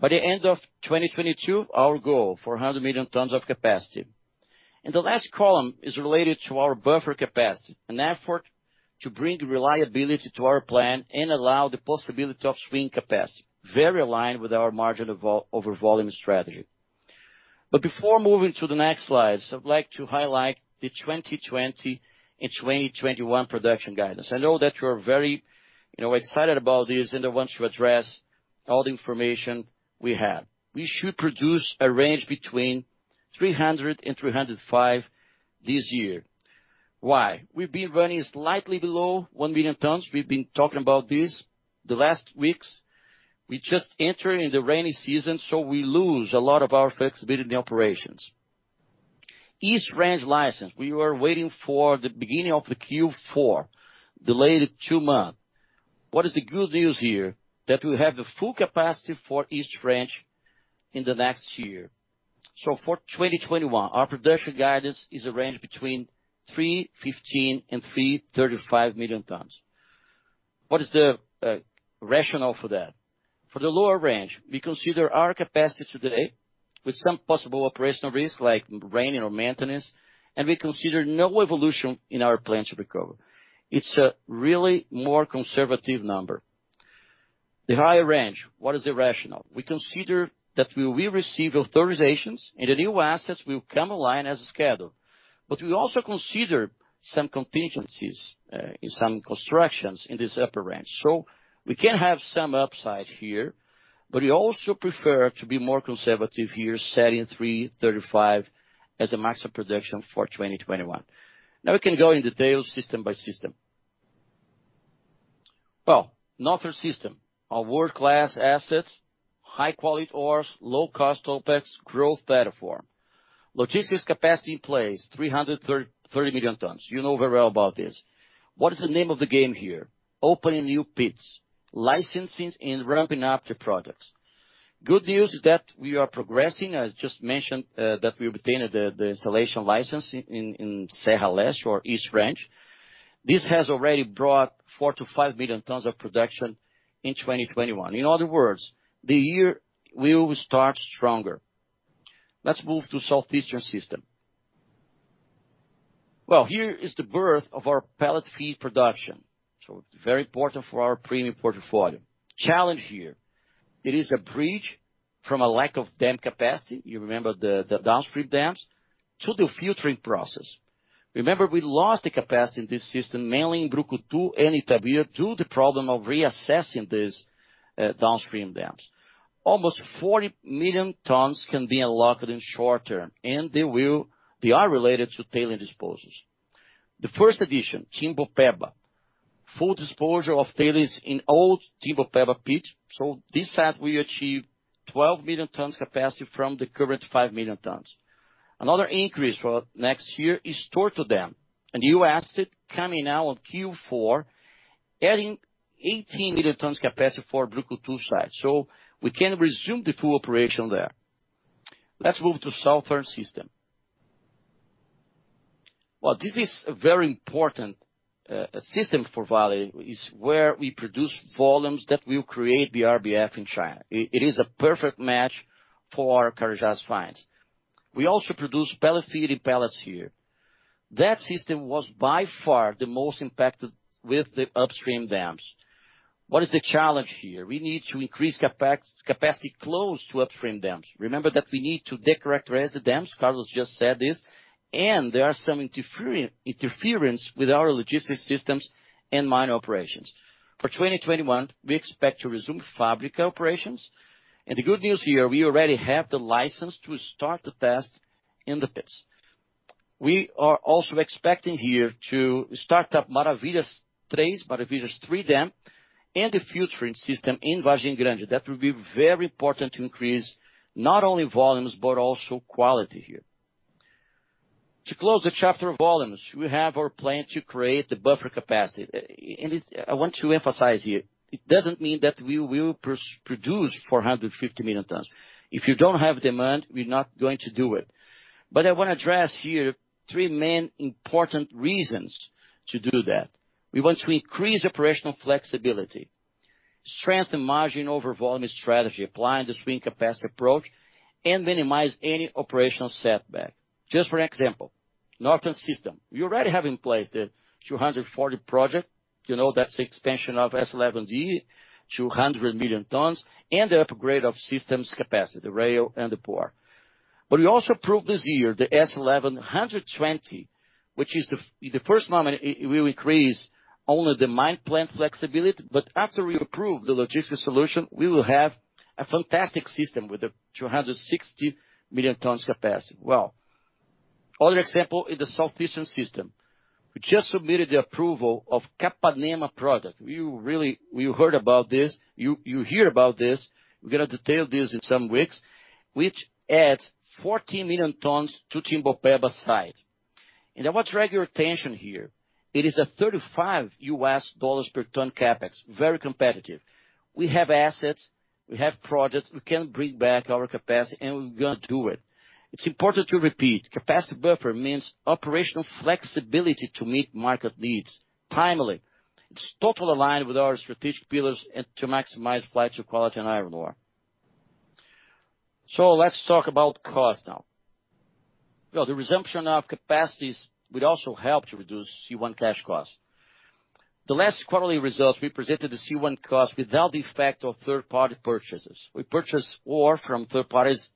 By the end of 2022, our goal, 400 million tons of capacity. The last column is related to our buffer capacity, an effort to bring reliability to our plan and allow the possibility of swing capacity, very aligned with our margin over volume strategy. Before moving to the next slides, I'd like to highlight the 2020 and 2021 production guidance. I know that you're very excited about this, and I want to address all the information we have. We should produce a range between 300 and 305 this year. Why? We've been running slightly below 1 million tons. We've been talking about this the last weeks. We just enter in the rainy season, so we lose a lot of our flexibility in the operations. East Range license, we were waiting for the beginning of the Q4, delayed two months. What is the good news here? We have the full capacity for East Range in the next year. For 2021, our production guidance is a range between 315 and 335 million tons. What is the rationale for that? For the lower range, we consider our capacity today with some possible operational risk, like rain or maintenance, and we consider no evolution in our plan to recover. It's a really more conservative number. The higher range, what is the rationale? We consider that we will receive authorizations, and the new assets will come online as scheduled. We also consider some contingencies in some constructions in this upper range. We can have some upside here, but we also prefer to be more conservative here, setting 335 as a maximum production for 2021. Now we can go in detail system by system. Well, Northern System, our world-class assets, high-quality ores, low cost OPEX, growth platform. Logistics capacity in place, 330 million tons. You know very well about this. What is the name of the game here? Opening new pits, licensing and ramping up the products. Good news is that we are progressing. I just mentioned that we obtained the installation license in Serra Leste or East Range. This has already brought four to five million tons of production in 2021. In other words, the year will start stronger. Let's move to Southeastern System. Well, here is the birth of our pellet feed production, so very important for our premium portfolio. Challenge here. It is a breach from a lack of dam capacity. You remember the downstream dams to the filtering process. Remember, we lost the capacity in this system, mainly in Brucutu and Itabira, due to the problem of reassessing these downstream dams. Almost 40 million tons can be unlocked in short term, and they are related to tailing disposals. The first addition, Timbopeba, full disposal of tailings in old Timbopeba pit. This site we achieved 12 million tons capacity from the current five million tons. Another increase for next year is Torto dam and new asset coming out on Q4, adding 18 million tons capacity for Brucutu site. We can resume the full operation there. Let's move to southern system. Well, this is a very important system for Vale. It's where we produce volumes that will create the BRBF in China. It is a perfect match for Carajás fines. We also produce Pelofire pellets here. That system was by far the most impacted with the upstream dams. What is the challenge here? We need to increase capacity close to upstream dams. Remember that we need to de-characterize the dams, Carlos just said this, and there are some interference with our logistics systems and mine operations. For 2021, we expect to resume Fábrica operations, and the good news here, we already have the license to start the test in the pits. We are also expecting here to start up Maravilhas three dam, and the futuring system in Vargem Grande. That will be very important to increase not only volumes, but also quality here. To close the chapter of volumes, we have our plan to create the buffer capacity. I want to emphasize here, it doesn't mean that we will produce 450 million tons. If you don't have demand, we're not going to do it. I want to address here three main important reasons to do that. We want to increase operational flexibility, strengthen margin over volume strategy, applying the swing capacity approach, and minimize any operational setback. Just for example, Northern System. We already have in place the 240 project. You know that's the expansion of S11D, 200 million tons, and the upgrade of systems capacity, the rail and the port. We also approved this year the S11D 120, which in the first moment will increase only the mine plant flexibility. After we approve the logistics solution, we will have a fantastic system with a 260 million tons capacity. Other example is the southeastern system. We just submitted the approval of Capanema product. We heard about this, you hear about this. We're going to detail this in some weeks, which adds 14 million tons to Timbopeba site. I want to draw your attention here. It is a $35 per ton CapEx, very competitive. We have assets, we have projects, we can bring back our capacity, and we're going to do it. It's important to repeat, capacity buffer means operational flexibility to meet market needs timely. It's totally aligned with our strategic pillars and to maximize flights of quality and iron ore. Let's talk about cost now. The resumption of capacities will also help to reduce C1 cash costs. The last quarterly results represented the C1 cost without the effect of third-party purchases. We purchased ore from third parties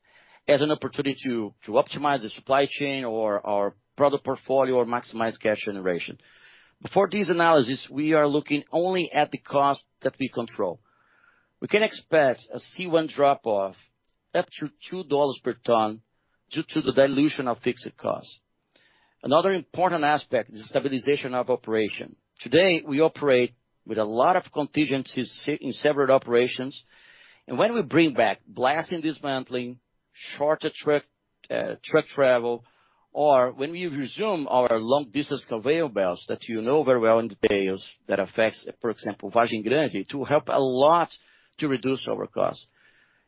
as an opportunity to optimize the supply chain or our product portfolio or maximize cash generation. Before this analysis, we are looking only at the cost that we control. We can expect a C1 drop off up to $2 per ton due to the dilution of fixed costs. Another important aspect is the stabilization of operation. Today, we operate with a lot of contingencies in separate operations, and when we bring back blasting dismantling, shorter truck travel, or when we resume our long-distance conveyor belts that you know very well in details that affects, for example, Vargem Grande to help a lot to reduce our costs.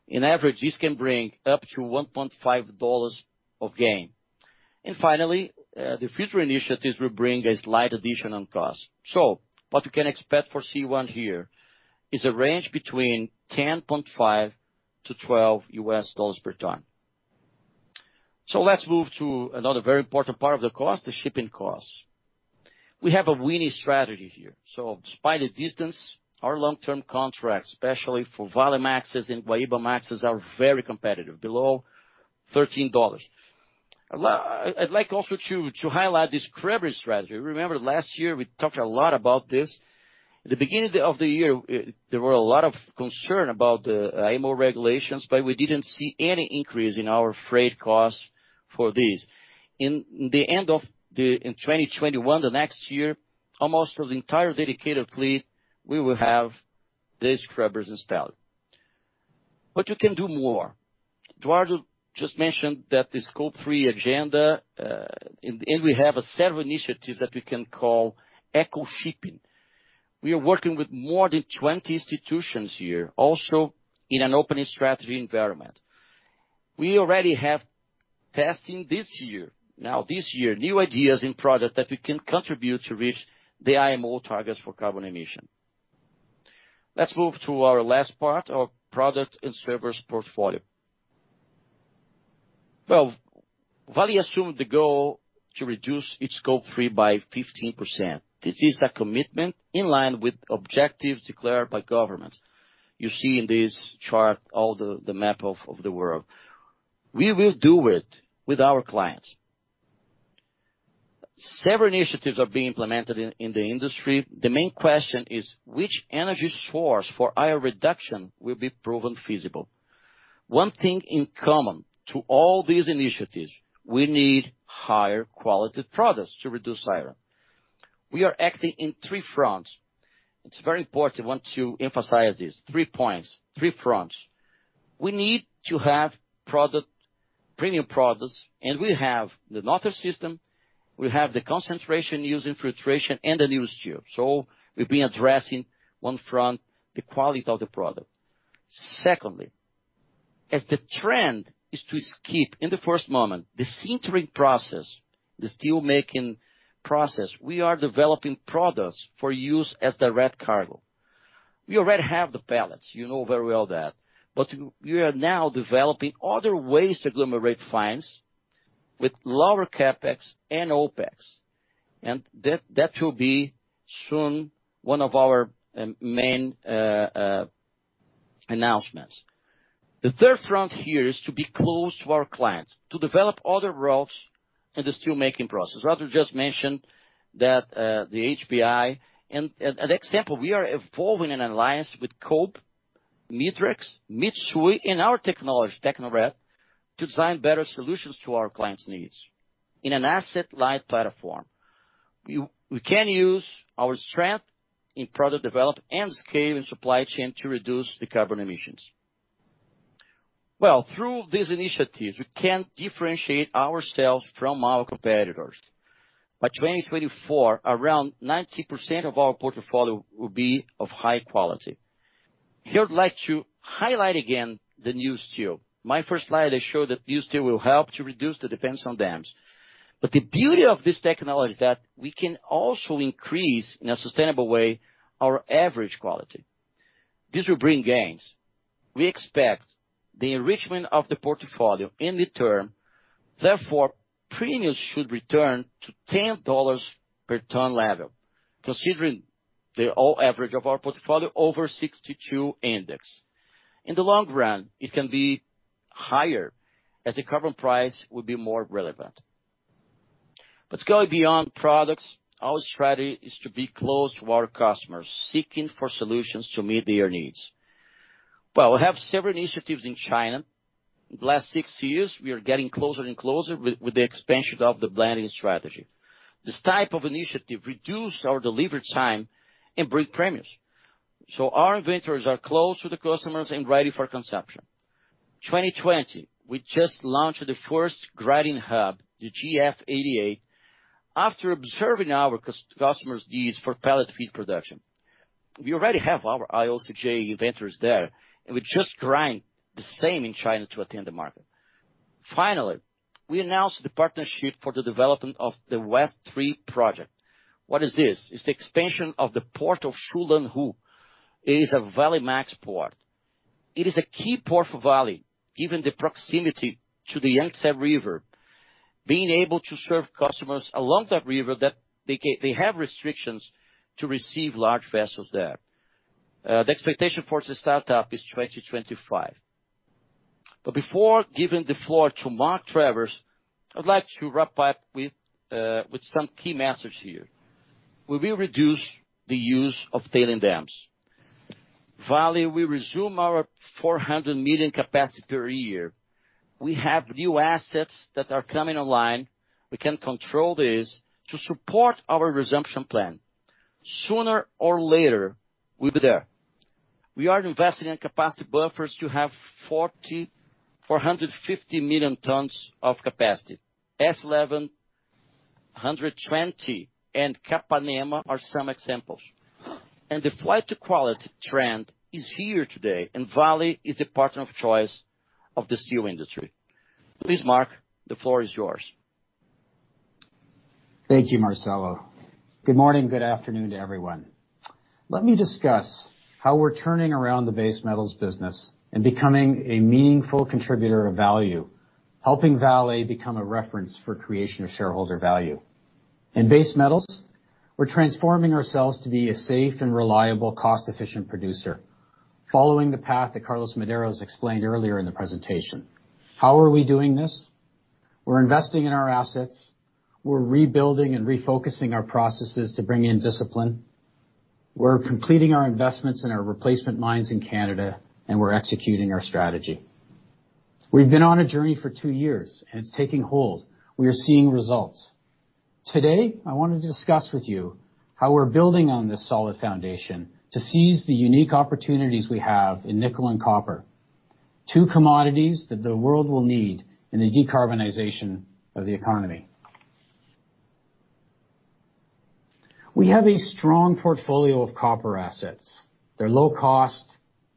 In average, this can bring up to $1.5 of gain. Finally, the future initiatives will bring a slight addition on cost. What you can expect for C1 here is a range between $10.5-$12 per ton. Let's move to another very important part of the cost, the shipping cost. We have a winning strategy here. Despite the distance, our long-term contracts, especially for Valemaxes and Guaibamaxes, are very competitive, below $13. I'd like also to highlight the scrubber strategy. Remember last year we talked a lot about this. At the beginning of the year, there were a lot of concern about the IMO regulations, but we didn't see any increase in our freight costs for this. In the end of 2021, the next year, almost for the entire dedicated fleet, we will have these scrubbers installed. You can do more. Eduardo just mentioned that the Scope 3 agenda, in the end, we have several initiatives that we can call eco shipping. We are working with more than 20 institutions here, also in an opening strategy environment. We already have testing this year. This year, new ideas in products that we can contribute to reach the IMO targets for carbon emission. Let's move to our last part, our product and service portfolio. Well, Vale assumed the goal to reduce its Scope 3 by 15%. This is a commitment in line with objectives declared by governments. You see in this chart all the map of the world. We will do it with our clients. Several initiatives are being implemented in the industry. The main question is which energy source for iron reduction will be proven feasible? One thing in common to all these initiatives, we need higher quality products to reduce iron. We are acting in three fronts. It's very important, I want to emphasize these three points, three fronts. We need to have premium products and we have the Northern system, we have the concentration using filtration and NewSteel. We've been addressing one front, the quality of the product. Secondly, as the trend is to skip in the first moment, the sintering process, the steelmaking process, we are developing products for use as direct charge. We already have the pellets, you know very well that. We are now developing other ways to agglomerate fines with lower CapEx and OpEx, and that will be soon one of our main announcements. The third front here is to be close to our clients, to develop other routes in the steelmaking process. Roger just mentioned that the HBI and an example, we are evolving an alliance with Kobe Steel, Midrex, Mitsui, and our technology, Tecnored, to design better solutions to our clients' needs in an an asset-light platform. We can use our strength in product development and scale and supply chain to reduce the carbon emissions. Through these initiatives, we can differentiate ourselves from our competitors. By 2024, around 90% of our portfolio will be of high quality. Here I'd like to highlight again the NewSteel. My first slide showed that NewSteel will help to reduce the dependence on dams. The beauty of this technology is that we can also increase, in a sustainable way, our average quality. This will bring gains. We expect the enrichment of the portfolio in the term, therefore, premiums should return to $10 per ton level, considering the all average of our portfolio over 62 index. In the long run, it can be higher as the carbon price will be more relevant. Going beyond products, our strategy is to be close to our customers, seeking for solutions to meet their needs. Well, we have several initiatives in China. In the last six years, we are getting closer and closer with the expansion of the blending strategy. This type of initiative reduce our delivery time and bring premiums. Our inventories are close to the customers and ready for consumption. 2020, we just launched the first grading hub, the GF88, after observing our customers' needs for pellet feed production. We already have our IOCJ inventories there, and we're just trying the same in China to attend the market. Finally, we announced the partnership for the development of the West III Project. What is this? It's the expansion of the Port of Shulanghu. It is a Valemax port. It is a key port for Vale given the proximity to the Yangtze River, being able to serve customers along that river that they have restrictions to receive large vessels there. The expectation for the startup is 2025. Before giving the floor to Mark Travers, I'd like to wrap up with some key messages here. We will reduce the use of tailing dams. Vale will resume our 400 million capacity per year. We have new assets that are coming online. We can control this to support our resumption plan. Sooner or later, we'll be there. We are investing in capacity buffers to have 450 million tons of capacity. S11, 120, and Capanema are some examples. The flight to quality trend is here today, and Vale is a partner of choice of the steel industry. Please, Mark, the floor is yours. Thank you, Marcello. Good morning, good afternoon to everyone. Let me discuss how we're turning around the base metals business and becoming a meaningful contributor of value, helping Vale become a reference for creation of shareholder value. In base metals, we're transforming ourselves to be a safe and reliable, cost-efficient producer, following the path that Carlos Medeiros explained earlier in the presentation. How are we doing this? We're investing in our assets. We're rebuilding and refocusing our processes to bring in discipline. We're completing our investments in our replacement mines in Canada, and we're executing our strategy. We've been on a journey for two years, and it's taking hold. We are seeing results. Today, I want to discuss with you how we're building on this solid foundation to seize the unique opportunities we have in nickel and copper, two commodities that the world will need in the decarbonization of the economy. We have a strong portfolio of copper assets. They're low cost,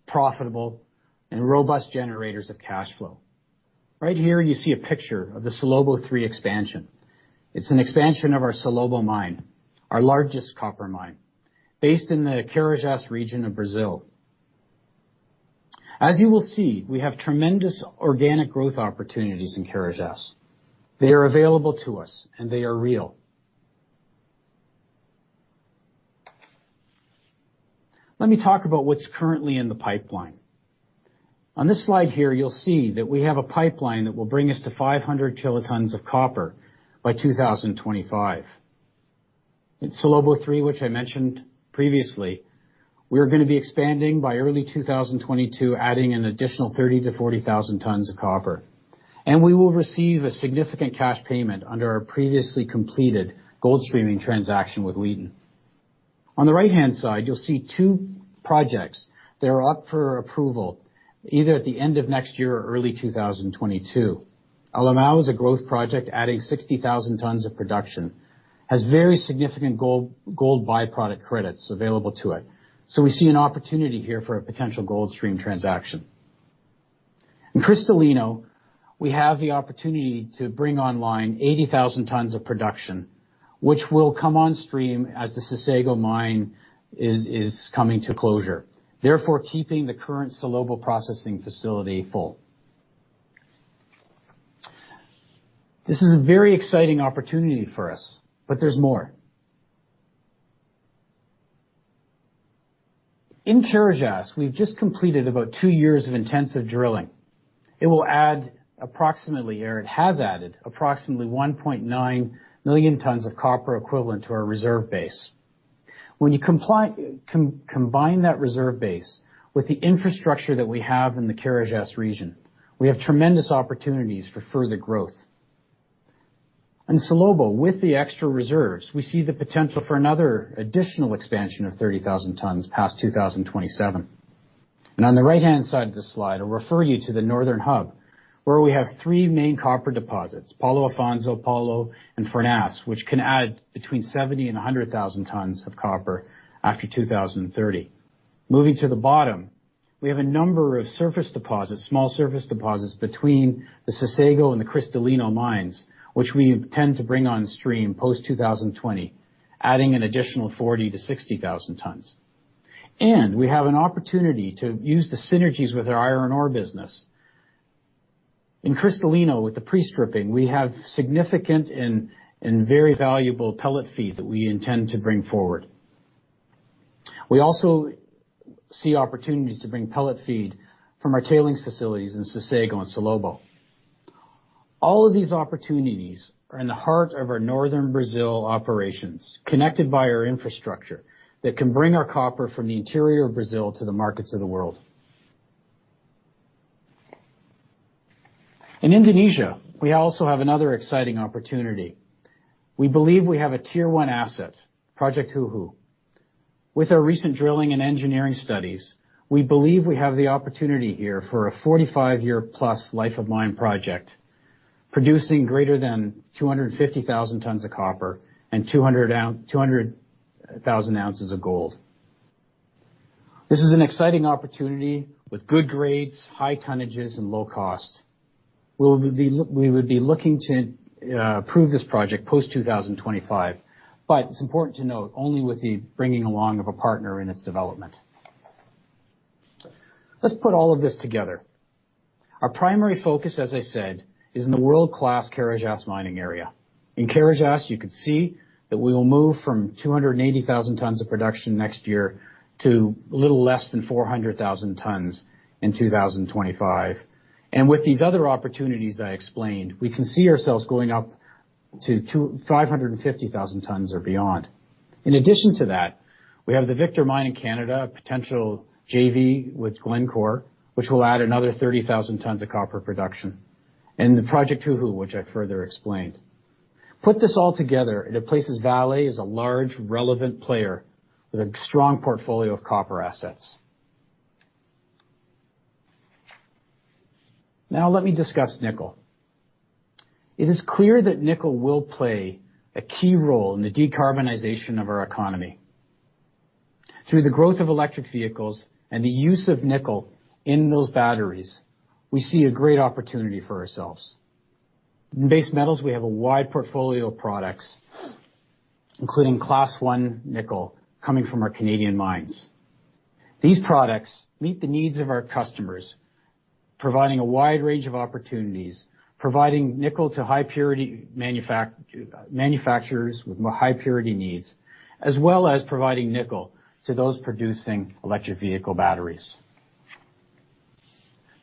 profitable, and robust generators of cash flow. Right here you see a picture of the Salobo 3 expansion. It's an expansion of our Salobo mine, our largest copper mine, based in the Carajás region of Brazil. As you will see, we have tremendous organic growth opportunities in Carajás. They are available to us and they are real. Let me talk about what's currently in the pipeline. On this slide here, you'll see that we have a pipeline that will bring us to 500 kilotons of copper by 2025. In Salobo 3, which I mentioned previously, we are going to be expanding by early 2022, adding an additional 30,000-40,000 tons of copper. We will receive a significant cash payment under our previously completed gold streaming transaction with Wheaton. On the right-hand side, you will see two projects that are up for approval either at the end of next year or early 2022. Alemão is a growth project adding 60,000 tons of production, has very significant gold byproduct credits available to it. We see an opportunity here for a potential gold stream transaction. In Cristalino, we have the opportunity to bring online 80,000 tons of production, which will come on stream as the Sossego mine is coming to closure, therefore keeping the current Salobo processing facility full. This is a very exciting opportunity for us. There is more. In Carajás, we've just completed about two years of intensive drilling. It will add approximately 1.9 million tons of copper equivalent to our reserve base. When you combine that reserve base with the infrastructure that we have in the Carajás region, we have tremendous opportunities for further growth. In Salobo, with the extra reserves, we see the potential for another additional expansion of 30,000 tons past 2027. On the right-hand side of this slide, I refer you to the northern hub, where we have three main copper deposits, Paulo Afonso, Paulo, and Furnas, which can add between 70,000 and 100,000 tons of copper after 2030. Moving to the bottom, we have a number of surface deposits, small surface deposits between the Sossego and the Cristalino mines, which we intend to bring on stream post 2020, adding an additional 40,000 to 60,000 tons. We have an opportunity to use the synergies with our iron ore business. In Cristalino, with the pre-stripping, we have significant and very valuable pellet feed that we intend to bring forward. We also see opportunities to bring pellet feed from our tailings facilities in Sossego and Salobo. All of these opportunities are in the heart of our northern Brazil operations, connected by our infrastructure that can bring our copper from the interior of Brazil to the markets of the world. In Indonesia, we also have another exciting opportunity. We believe we have a Tier 1 asset, Project Hu'u. With our recent drilling and engineering studies, we believe we have the opportunity here for a 45-year+ life of mine project, producing greater than 250,000 tons of copper and 200,000 ounces of gold. This is an exciting opportunity with good grades, high tonnages, and low cost. We would be looking to approve this project post 2025, but it's important to note, only with the bringing along of a partner in its development. Let's put all of this together. Our primary focus, as I said, is in the world-class Carajás mining area. In Carajás, you can see that we will move from 280,000 tons of production next year to a little less than 400,000 tons in 2025. With these other opportunities that I explained, we can see ourselves going up to 550,000 tons or beyond. In addition to that, we have the Victor Mine in Canada, a potential JV with Glencore, which will add another 30,000 tons of copper production, and the Project Hu'u, which I further explained. Put this all together, it places Vale as a large relevant player with a strong portfolio of copper assets. Now let me discuss nickel. It is clear that nickel will play a key role in the decarbonization of our economy. Through the growth of electric vehicles and the use of nickel in those batteries, we see a great opportunity for ourselves. In base metals, we have a wide portfolio of products, including Class 1 nickel coming from our Canadian mines. These products meet the needs of our customers, providing a wide range of opportunities, providing nickel to manufacturers with high purity needs, as well as providing nickel to those producing electric vehicle batteries.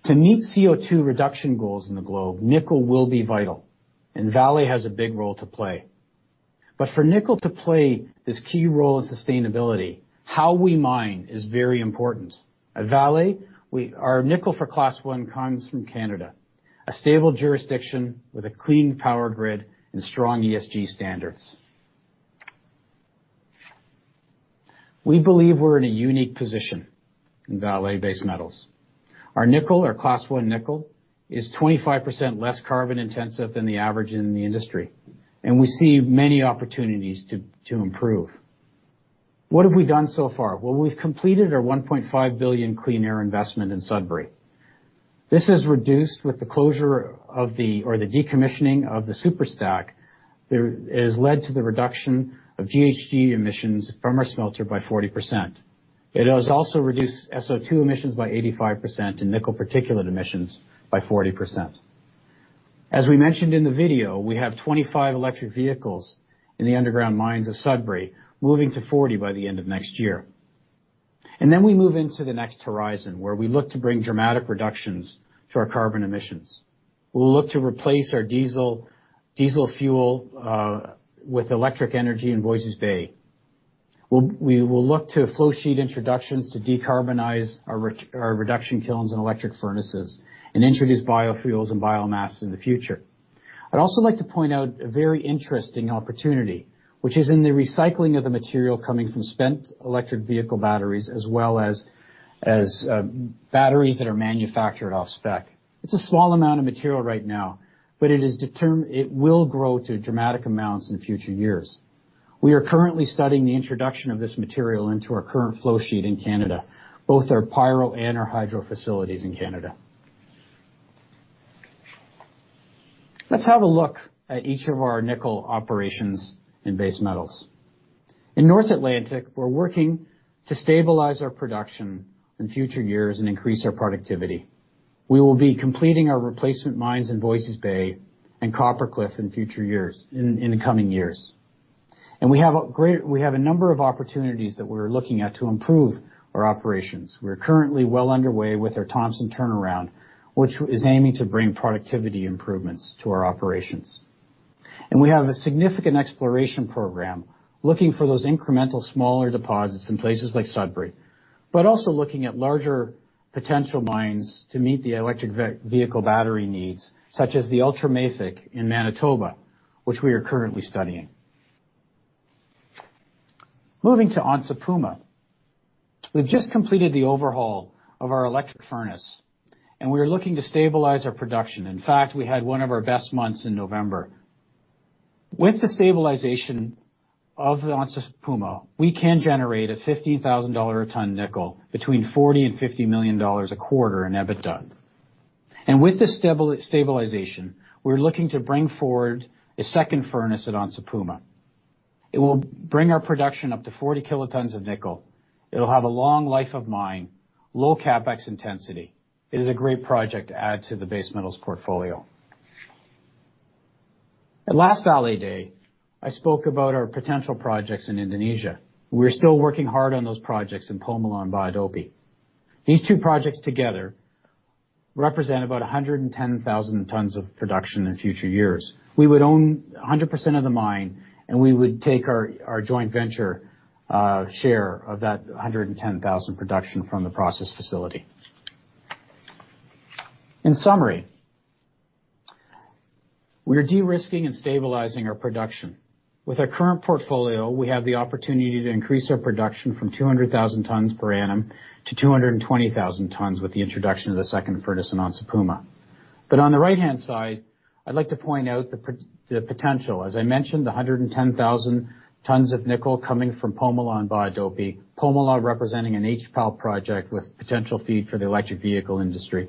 To meet CO2 reduction goals in the globe, nickel will be vital, and Vale has a big role to play. For nickel to play this key role in sustainability, how we mine is very important. At Vale, our nickel for Class 1 comes from Canada, a stable jurisdiction with a clean power grid and strong ESG standards. We believe we're in a unique position in Vale Base Metals. Our nickel, our Class 1 nickel, is 25% less carbon intensive than the average in the industry, and we see many opportunities to improve. What have we done so far? Well, we've completed our 1.5 billion clean air investment in Sudbury. This is reduced with the closure or the decommissioning of the Superstack, has led to the reduction of GHG emissions from our smelter by 40%. It has also reduced SO2 emissions by 85% and nickel particulate emissions by 40%. As we mentioned in the video, we have 25 electric vehicles in the underground mines of Sudbury, moving to 40 by the end of next year. We move into the next horizon, where we look to bring dramatic reductions to our carbon emissions. We'll look to replace our diesel fuel with electric energy in Voisey's Bay. We will look to flow sheet introductions to decarbonize our reduction kilns and electric furnaces and introduce biofuels and biomass in the future. I'd also like to point out a very interesting opportunity, which is in the recycling of the material coming from spent electric vehicle batteries, as well as batteries that are manufactured off-spec. It's a small amount of material right now, but it will grow to dramatic amounts in future years. We are currently studying the introduction of this material into our current flow sheet in Canada, both our pyro and our hydro facilities in Canada. Let's have a look at each of our nickel operations in base metals. In North Atlantic, we're working to stabilize our production in future years and increase our productivity. We will be completing our replacement mines in Voisey's Bay and Copper Cliff in the coming years. We have a number of opportunities that we're looking at to improve our operations. We're currently well underway with our Thompson turnaround, which is aiming to bring productivity improvements to our operations. We have a significant exploration program looking for those incremental smaller deposits in places like Sudbury, but also looking at larger potential mines to meet the electric vehicle battery needs, such as the ultramafic in Manitoba, which we are currently studying. Moving to Onça Puma. We've just completed the overhaul of our electric furnace, and we are looking to stabilize our production. In fact, we had one of our best months in November. With the stabilization of the Onça Puma, we can generate a $15,000 a ton nickel between $40 million and $50 million a quarter in EBITDA. With this stabilization, we're looking to bring forward a second furnace at Onça Puma. It will bring our production up to 40 kilotons of nickel. It'll have a long life of mine, low CapEx intensity. It is a great project to add to the base metals portfolio. At last Vale Day, I spoke about our potential projects in Indonesia. We're still working hard on those projects in Pomalaa and Bahodopi. These two projects together represent about 110,000 tons of production in future years. We would own 100% of the mine, and we would take our joint venture share of that 110,000 production from the process facility. In summary, we are de-risking and stabilizing our production. With our current portfolio, we have the opportunity to increase our production from 200,000 tons per annum to 220,000 tons with the introduction of the second furnace in Onça Puma. On the right-hand side, I'd like to point out the potential. As I mentioned, the 110,000 tons of nickel coming from Pomalaa and Bahodopi, Pomalaa representing an HPAL project with potential feed for the electric vehicle industry,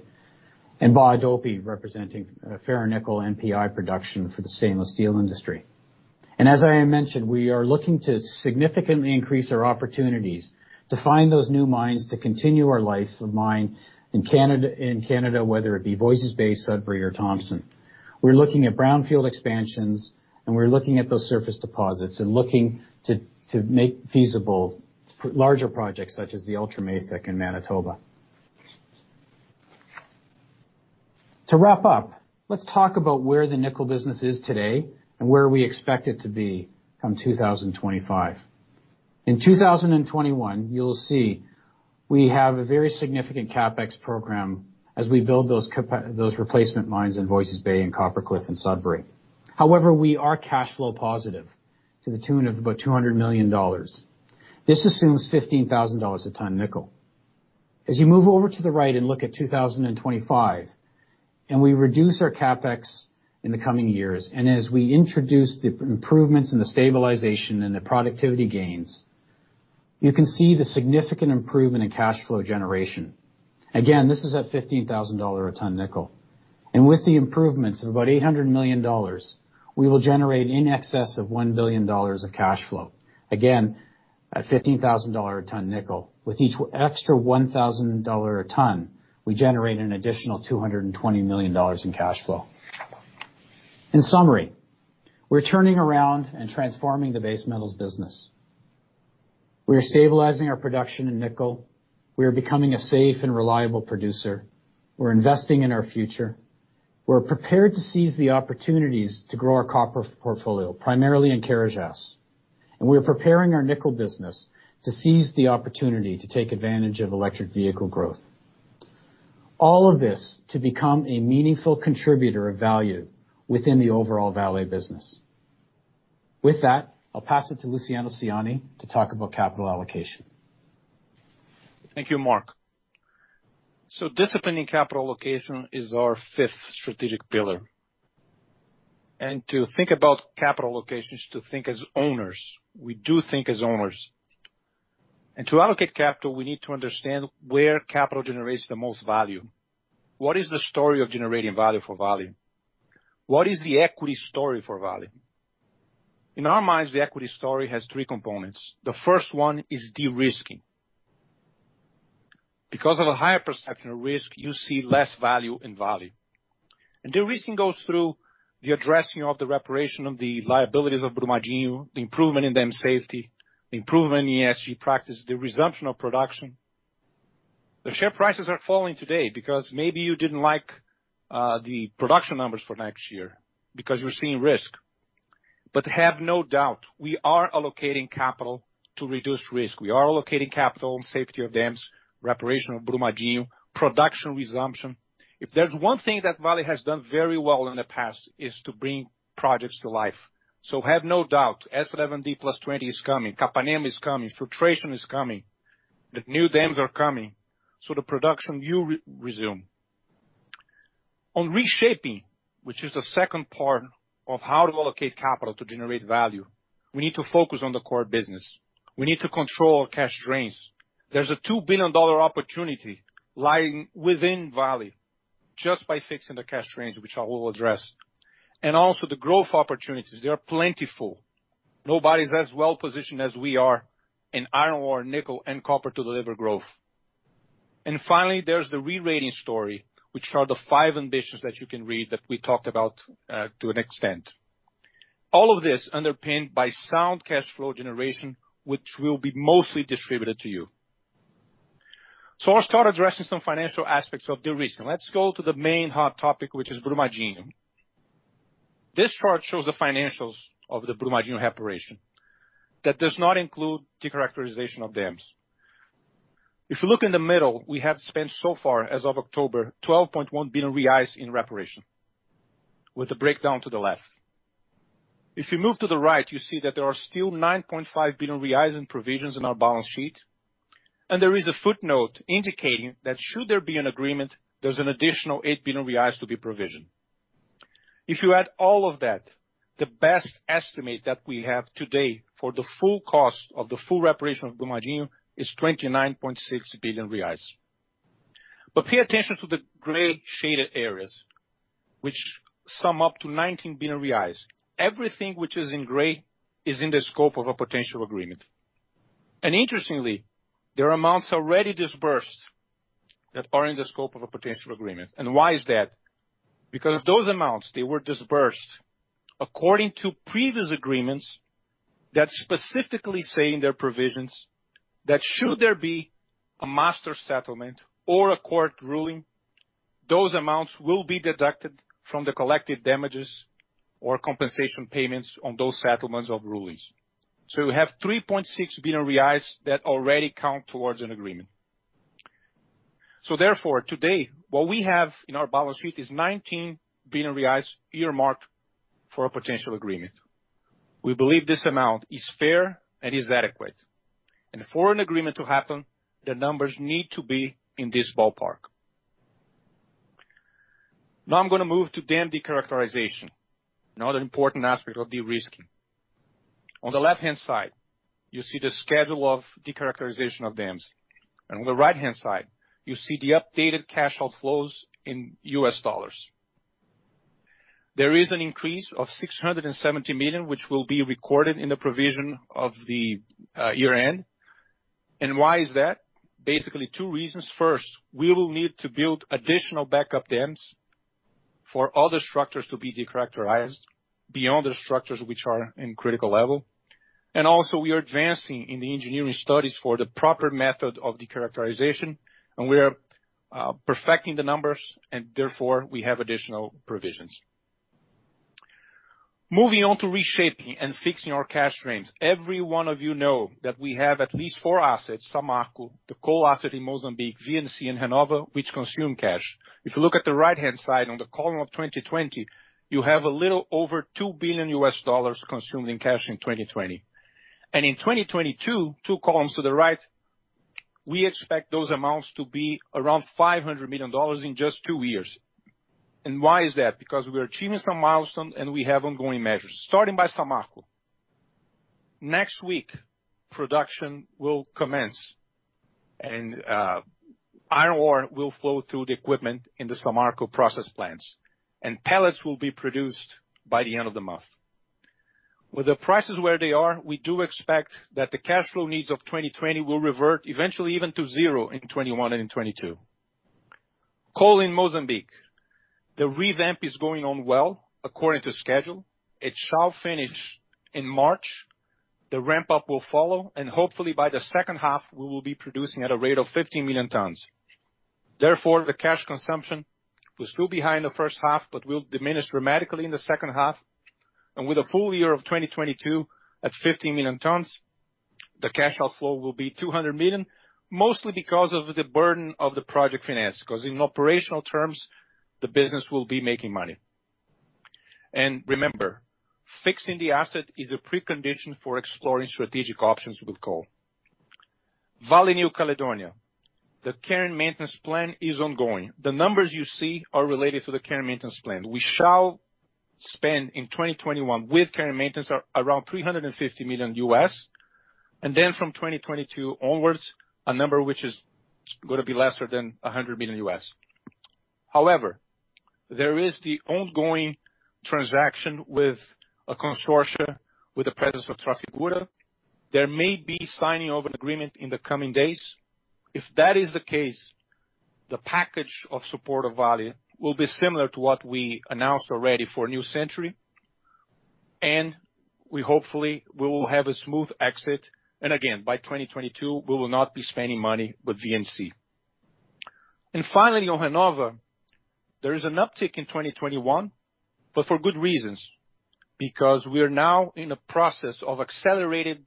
and Bahodopi representing a ferronickel NPI production for the stainless steel industry. As I mentioned, we are looking to significantly increase our opportunities to find those new mines to continue our life of mine in Canada, whether it be Voisey's Bay, Sudbury or Thompson. We're looking at brownfield expansions, and we're looking at those surface deposits and looking to make feasible larger projects such as the ultramafic in Manitoba. To wrap up, let's talk about where the nickel business is today and where we expect it to be come 2025. In 2021, you'll see we have a very significant CapEx program as we build those replacement mines in Voisey's Bay and Copper Cliff and Sudbury. We are cash flow positive to the tune of about $200 million. This assumes $15,000 a ton nickel. As you move over to the right and look at 2025, we reduce our CapEx in the coming years, as we introduce the improvements and the stabilization and the productivity gains, you can see the significant improvement in cash flow generation. Again, this is at $15,000 a ton nickel. With the improvements of about $800 million, we will generate in excess of $1 billion of cash flow. Again, at $15,000 a ton nickel. With each extra $1,000 a ton, we generate an additional $220 million in cash flow. In summary, we're turning around and transforming the base metals business. We are stabilizing our production in nickel. We are becoming a safe and reliable producer. We're investing in our future. We're prepared to seize the opportunities to grow our copper portfolio, primarily in Carajás. We are preparing our nickel business to seize the opportunity to take advantage of electric vehicle growth. All of this to become a meaningful contributor of value within the overall Vale business. With that, I'll pass it to Luciano Siani to talk about capital allocation. Thank you, Mark. Disciplining capital allocation is our fifth strategic pillar. To think about capital allocations, to think as owners. We do think as owners. To allocate capital, we need to understand where capital generates the most value. What is the story of generating value for Vale? What is the equity story for Vale? In our minds, the equity story has three components. The first one is de-risking. Because of a higher perception of risk, you see less value in Vale. De-risking goes through the addressing of the reparation of the liabilities of Brumadinho, the improvement in dam safety, the improvement in ESG practice, the resumption of production. The share prices are falling today because maybe you didn't like the production numbers for next year, because you're seeing risk. Have no doubt, we are allocating capital to reduce risk. We are allocating capital, safety of dams, reparation of Brumadinho, production resumption. If there's one thing that Vale has done very well in the past, is to bring projects to life. Have no doubt, S11D+20 is coming, Capanema is coming, filtration is coming, the new dams are coming. The production will resume. On reshaping, which is the second part of how to allocate capital to generate value, we need to focus on the core business. We need to control our cash drains. There's a BRL 2 billion opportunity lying within Vale just by fixing the cash drains, which I will address. Also the growth opportunities, they are plentiful. Nobody's as well-positioned as we are in iron ore, nickel, and copper to deliver growth. Finally, there's the re-rating story, which are the five ambitions that you can read, that we talked about, to an extent. All of this underpinned by sound cash flow generation, which will be mostly distributed to you. I'll start addressing some financial aspects of de-risking. Let's go to the main hot topic, which is Brumadinho. This chart shows the financials of the Brumadinho reparation. That does not include de-characterization of dams. If you look in the middle, we have spent so far as of October, 12.1 billion reais in reparation, with the breakdown to the left. If you move to the right, you see that there are still 9.5 billion reais in provisions in our balance sheet, and there is a footnote indicating that should there be an agreement, there's an additional 8 billion reais to be provisioned. If you add all of that, the best estimate that we have today for the full cost of the full reparation of Brumadinho is 29.6 billion reais. Pay attention to the gray shaded areas, which sum up to 19 billion reais. Everything which is in gray is in the scope of a potential agreement. Interestingly, there are amounts already disbursed that are in the scope of a potential agreement. Why is that? Because those amounts, they were disbursed according to previous agreements that specifically say in their provisions that should there be a master settlement or a court ruling, those amounts will be deducted from the collected damages or compensation payments on those settlements of rulings. We have 3.6 billion reais that already count towards an agreement. Therefore, today, what we have in our balance sheet is 19 billion earmarked for a potential agreement. We believe this amount is fair and is adequate. For an agreement to happen, the numbers need to be in this ballpark. Now I'm gonna move to dam de-characterization, another important aspect of de-risking. On the left-hand side, you see the schedule of de-characterization of dams. On the right-hand side, you see the updated cash outflows in US dollars. There is an increase of $670 million, which will be recorded in the provision of the year-end. Why is that? Basically two reasons. First, we will need to build additional backup dams for other structures to be de-characterized beyond the structures which are in critical level. Also, we are advancing in the engineering studies for the proper method of de-characterization, and we are perfecting the numbers and therefore we have additional provisions. Moving on to reshaping and fixing our cash drains. Every one of you know that we have at least four assets, Samarco, the coal asset in Mozambique, VNC in Hanover, which consume cash. If you look at the right-hand side on the column of 2020, you have a little over BRL 2 billion consumed in cash in 2020. In 2022, two columns to the right, we expect those amounts to be around BRL 500 million in just two years. Why is that? Because we are achieving some milestones, and we have ongoing measures. Starting by Samarco. Next week, production will commence and iron ore will flow through the equipment in the Samarco process plants, and pellets will be produced by the end of the month. With the prices where they are, we do expect that the cash flow needs of 2020 will revert eventually even to zero in 2021 and in 2022. Coal in Mozambique. The revamp is going on well, according to schedule. It shall finish in March. The ramp-up will follow. Hopefully by the second half, we will be producing at a rate of 15 million tons. Therefore, the cash consumption will still be high in the first half, but will diminish dramatically in the second half. With a full year of 2022 at 15 million tons, the cash outflow will be 200 million, mostly because of the burden of the project finance, because in operational terms, the business will be making money. Remember, fixing the asset is a precondition for exploring strategic options with coal. Vale Nouvelle-Calédonie. The care and maintenance plan is ongoing. The numbers you see are related to the care and maintenance plan. We shall spend in 2021 with care and maintenance around $350 million. From 2022 onwards, a number which is gonna be lesser than $100 million. There is the ongoing transaction with a consortia with the presence of Trafigura. There may be signing of an agreement in the coming days. If that is the case, the package of support of Vale will be similar to what we announced already for New Century, and we hopefully will have a smooth exit. Again, by 2022, we will not be spending money with VNC. Finally, on Renova, there is an uptick in 2021, but for good reasons. Because we are now in a process of accelerated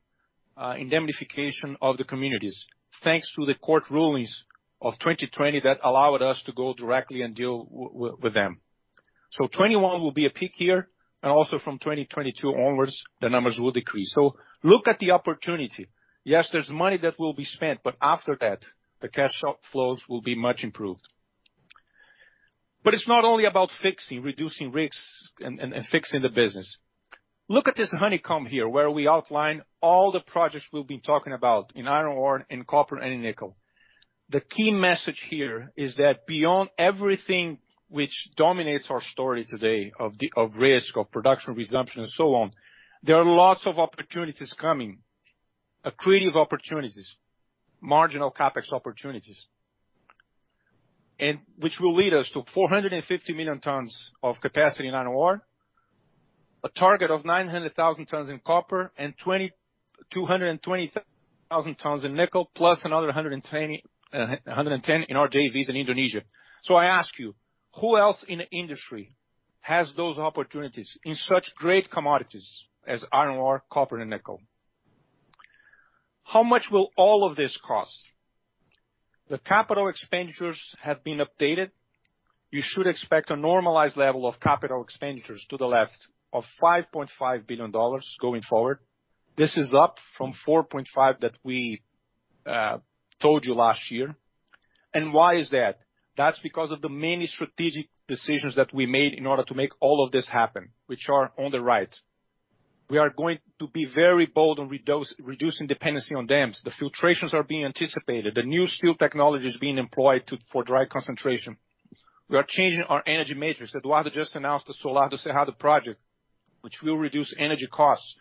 indemnification of the communities, thanks to the court rulings of 2020 that allowed us to go directly and deal with them. 2021 will be a peak year, and also from 2022 onwards, the numbers will decrease. Look at the opportunity. Yes, there's money that will be spent, but after that, the cash outflows will be much improved. It's not only about fixing, reducing risks and fixing the business. Look at this honeycomb here, where we outline all the projects we'll be talking about in iron ore, in copper, and in nickel. The key message here is that beyond everything which dominates our story today of risk, of production resumption, and so on, there are lots of opportunities coming, accretive opportunities, marginal CapEx opportunities, and which will lead us to 450 million tons of capacity in iron ore, a target of 900,000 tons in copper, and 220,000 tons in nickel, plus another 110 in our JVs in Indonesia. I ask you, who else in the industry has those opportunities in such great commodities as iron ore, copper, and nickel? How much will all of this cost? The capital expenditures have been updated. You should expect a normalized level of capital expenditures to the left of $5.5 billion going forward. This is up from $4.5 billion that we told you last year. Why is that? That's because of the many strategic decisions that we made in order to make all of this happen, which are on the right. We are going to be very bold on reducing dependency on dams. The filtrations are being anticipated. The NewSteel technology is being employed for dry concentration. We are changing our energy matrix. Eduardo just announced the Sol do Cerrado project, which will reduce energy costs.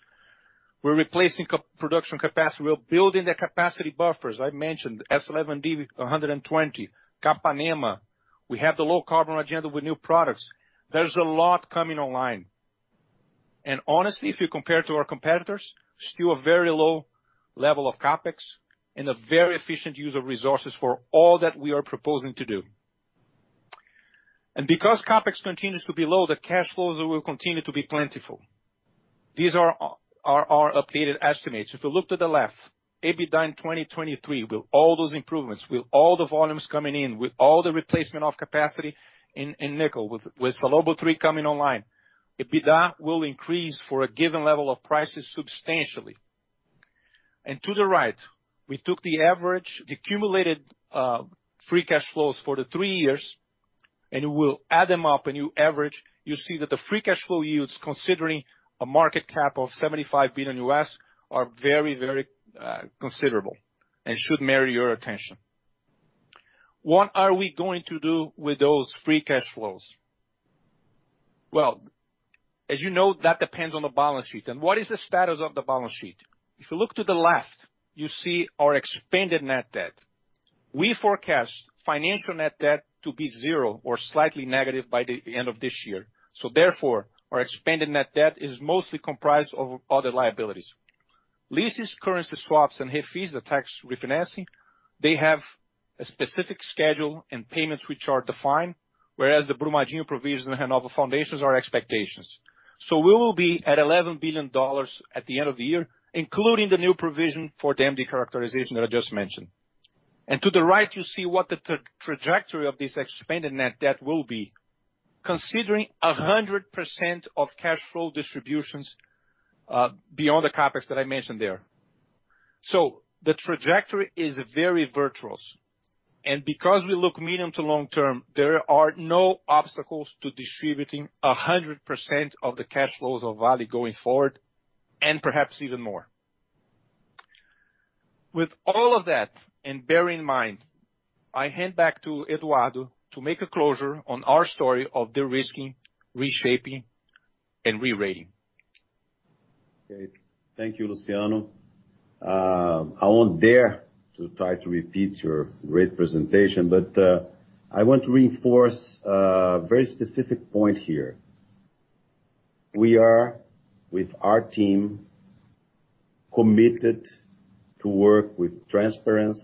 We're replacing production capacity. We're building the capacity buffers. I mentioned S11D with 120, Capanema. We have the low carbon agenda with new products. There's a lot coming online. Honestly, if you compare to our competitors, still a very low level of CapEx and a very efficient use of resources for all that we are proposing to do. Because CapEx continues to be low, the cash flows will continue to be plentiful. These are our updated estimates. If you look to the left, EBITDA in 2023, with all those improvements, with all the volumes coming in, with all the replacement of capacity in nickel, with Salobo III coming online, EBITDA will increase for a given level of prices substantially. To the right, we took the average, the accumulated free cash flows for the three years, and we'll add them up and you average, you see that the free cash flow yields, considering a market cap of $75 billion, are very considerable, and should merit your attention. What are we going to do with those free cash flows? Well, as you know, that depends on the balance sheet. What is the status of the balance sheet? If you look to the left, you see our expanded net debt. We forecast financial net debt to be zero or slightly negative by the end of this year. Therefore, our expanded net debt is mostly comprised of other liabilities. Leases, currency swaps, and head fees, the tax refinancing, they have a specific schedule and payments which are defined, whereas the Brumadinho provisions and Renova foundations are expectations. We will be at $11 billion at the end of the year, including the new provision for the MD characterization that I just mentioned. To the right, you see what the trajectory of this expanded net debt will be, considering 100% of cash flow distributions, beyond the CapEx that I mentioned there. The trajectory is very virtuous. Because we look medium to long-term, there are no obstacles to distributing 100% of the cash flows of Vale going forward, and perhaps even more. With all of that in bearing in mind, I hand back to Eduardo to make a closure on our story of de-risking, reshaping, and rerating. Great. Thank you, Luciano. I won't dare to try to repeat your great presentation, but I want to reinforce a very specific point here. We are, with our team, committed to work with transparency,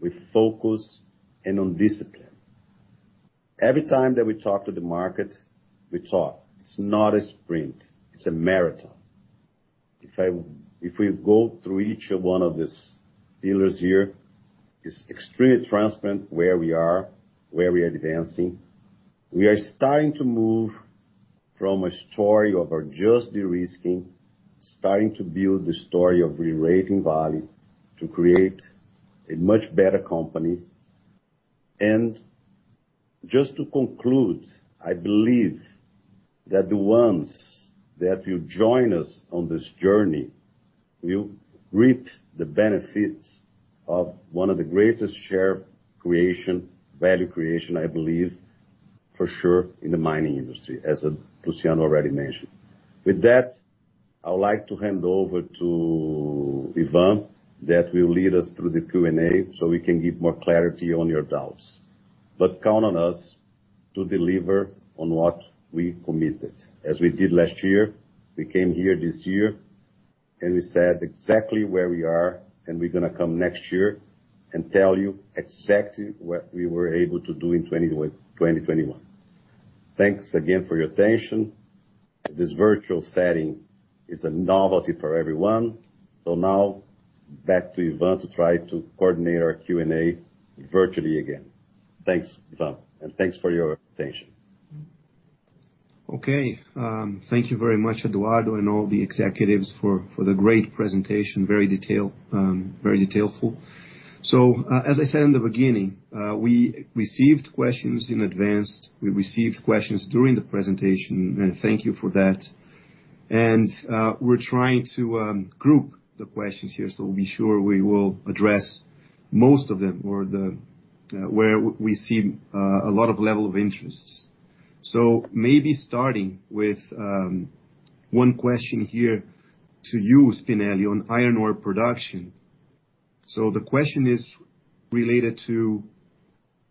with focus, and on discipline. Every time that we talk to the market, we talk. It's not a sprint, it's a marathon. If we go through each one of these pillars here, it's extremely transparent where we are, where we are advancing. We are starting to move from a story of our just de-risking, starting to build the story of rerating value to create a much better company. Just to conclude, I believe that the ones that will join us on this journey will reap the benefits of one of the greatest share creation, value creation, I believe, for sure, in the mining industry, as Luciano already mentioned. With that, I would like to hand over to Ivan that will lead us through the Q&A so we can give more clarity on your doubts. Count on us to deliver on what we committed. As we did last year, we came here this year, and we said exactly where we are, and we're going to come next year and tell you exactly what we were able to do in 2021. Thanks again for your attention. This virtual setting is a novelty for everyone. Now back to Ivan to try to coordinate our Q&A virtually again. Thanks, Ivan, and thanks for your attention. Okay. Thank you very much, Eduardo, and all the executives for the great presentation. Very detailful. As I said in the beginning, we received questions in advance. We received questions during the presentation, and thank you for that. We're trying to group the questions here, so be sure we will address most of them, or where we see a lot of level of interest. Maybe starting with one question here to you, Spinelli, on iron ore production. The question is related to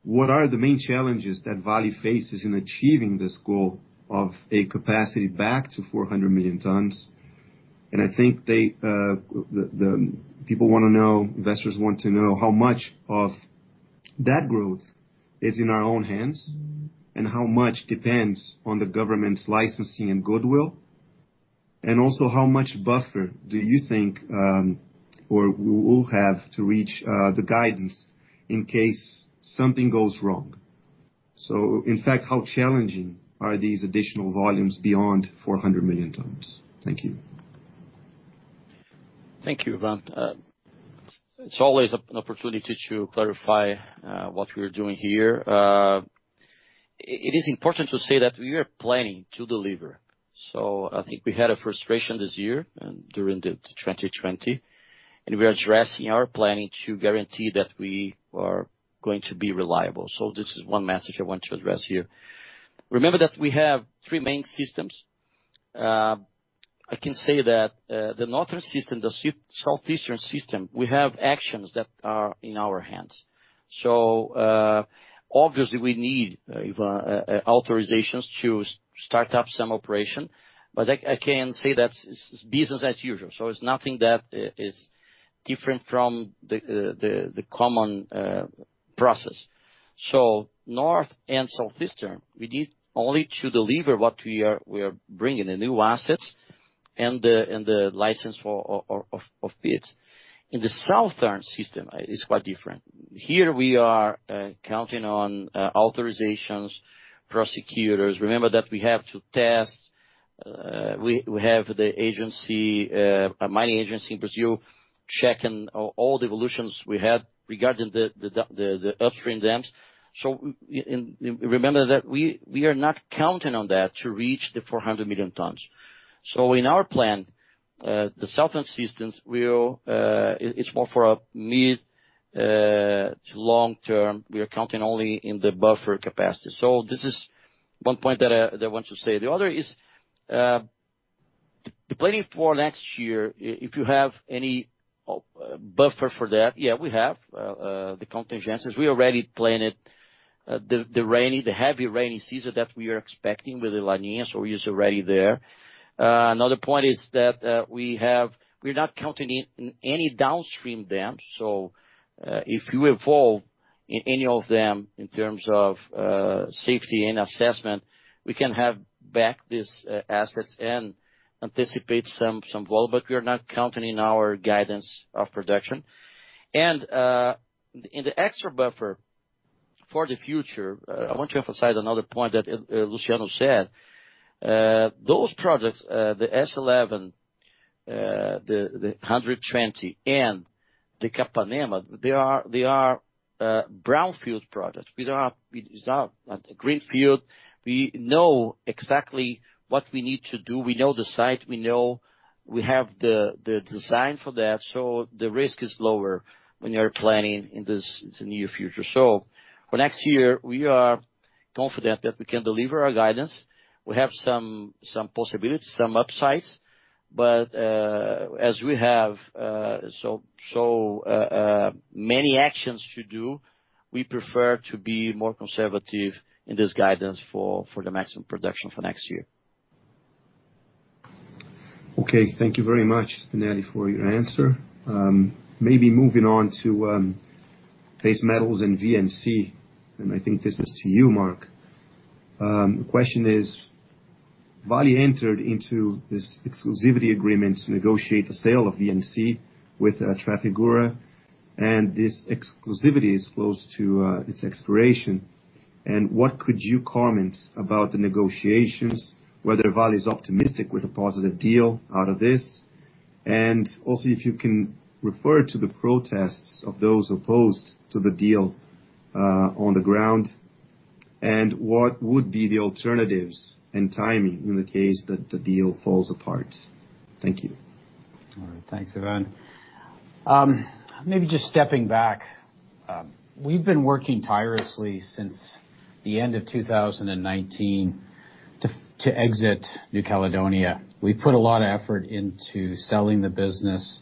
what are the main challenges that Vale faces in achieving this goal of a capacity back to 400 million tons? I think the people want to know, investors want to know how much of that growth is in our own hands, and how much depends on the government's licensing and goodwill, and also how much buffer do you think we'll have to reach the guidance in case something goes wrong. In fact, how challenging are these additional volumes beyond 400 million tons? Thank you. Thank you, Ivan. It's always an opportunity to clarify what we're doing here. It is important to say that we are planning to deliver. I think we had a frustration this year and during the 2020, and we are addressing our planning to guarantee that we are going to be reliable. This is one message I want to address here. Remember that we have three main systems. I can say that the northern system, the southeastern system, we have actions that are in our hands. Obviously we need authorizations to start up some operation, but I can say that's business as usual. It's nothing that is different from the common process. North and southeastern, we need only to deliver what we are bringing the new assets and the license of pits. In the southern system, it's quite different. Here we are counting on authorizations, prosecutors. Remember that we have to test, we have the mining agency in Brazil checking all the evolutions we had regarding the upstream dams. Remember that we are not counting on that to reach the 400 million tons. In our plan, the southern systems, it's more for a mid to long term. We are counting only in the buffer capacity. This is one point that I want to say. The other is the planning for next year, if you have any buffer for that. We have the contingencies. We already planned the heavy rainy season that we are expecting with La Niña, so it's already there. Another point is that we're not counting any downstream dams. If you evolve in any of them in terms of safety and assessment, we can have back these assets and anticipate some volume, but we are not counting in our guidance of production. In the extra buffer for the future, I want to emphasize another point that Luciano said. Those projects, the S11, the 120, and the Capanema, they are brownfield projects. These are not a greenfield. We know exactly what we need to do. We know the site. We have the design for that. The risk is lower when you are planning in the near future. For next year, we are confident that we can deliver our guidance. We have some possibilities, some upsides, but as we have so many actions to do, we prefer to be more conservative in this guidance for the maximum production for next year. Okay. Thank you very much, Spinelli, for your answer. Maybe moving on to base metals and VNC, and I think this is to you, Mark. The question is, Vale entered into this exclusivity agreement to negotiate the sale of VNC with Trafigura. This exclusivity is close to its expiration. What could you comment about the negotiations, whether Vale is optimistic with a positive deal out of this? Also, if you can refer to the protests of those opposed to the deal on the ground. What would be the alternatives and timing in the case that the deal falls apart? Thank you. All right. Thanks, Ivan. Maybe just stepping back. We've been working tirelessly since the end of 2019 to exit New Caledonia. We put a lot of effort into selling the business.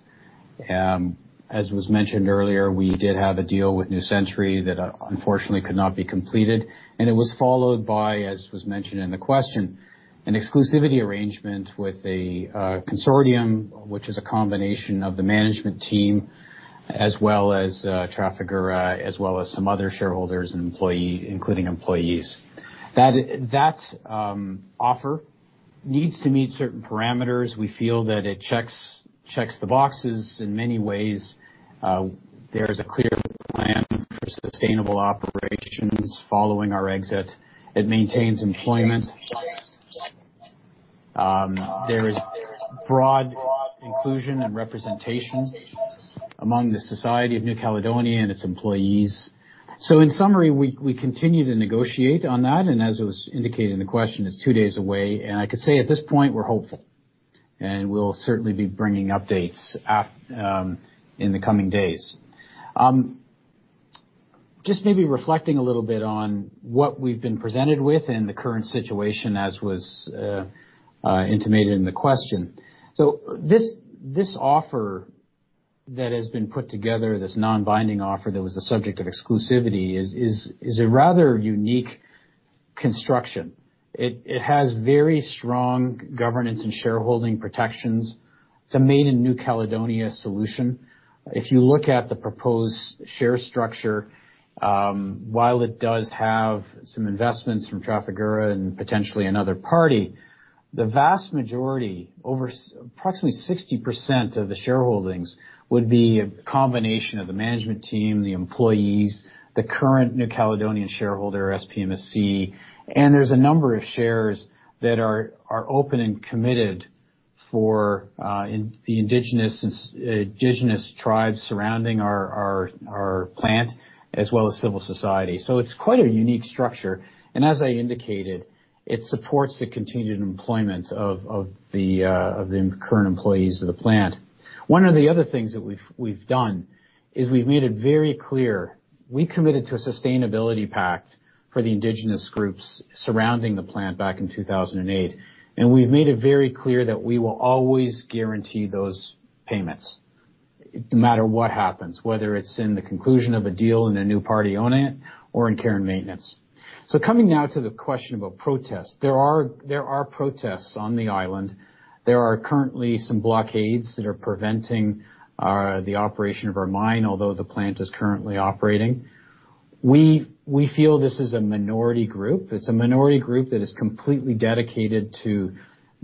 As was mentioned earlier, we did have a deal with New Century that unfortunately could not be completed, and it was followed by, as was mentioned in the question, an exclusivity arrangement with a consortium, which is a combination of the management team, as well as Trafigura, as well as some other shareholders including employees. That offer needs to meet certain parameters. We feel that it checks the boxes in many ways. There is a clear plan for sustainable operations following our exit. It maintains employment. There is broad inclusion and representation among the society of New Caledonia and its employees. In summary, we continue to negotiate on that, and as it was indicated in the question, it's two days away, and I could say at this point, we're hopeful. We'll certainly be bringing updates in the coming days. Just maybe reflecting a little bit on what we've been presented with in the current situation as was intimated in the question. This offer that has been put together, this non-binding offer that was the subject of exclusivity, is a rather unique construction. It has very strong governance and shareholding protections. It's a made-in-New Caledonia solution. If you look at the proposed share structure, while it does have some investments from Trafigura and potentially another party, the vast majority, approximately 60% of the shareholdings would be a combination of the management team, the employees, the current New Caledonian shareholder, SPMSC, and there's a number of shares that are open and committed for the indigenous tribes surrounding our plant, as well as civil society. It's quite a unique structure. As I indicated, it supports the continued employment of the current employees of the plant. One of the other things that we've done is we've made it very clear, we committed to a sustainability pact for the indigenous groups surrounding the plant back in 2008. We've made it very clear that we will always guarantee those payments no matter what happens, whether it's in the conclusion of a deal and a new party own it or in care and maintenance. Coming now to the question about protests. There are protests on the island. There are currently some blockades that are preventing the operation of our mine, although the plant is currently operating. We feel this is a minority group. It's a minority group that is completely dedicated to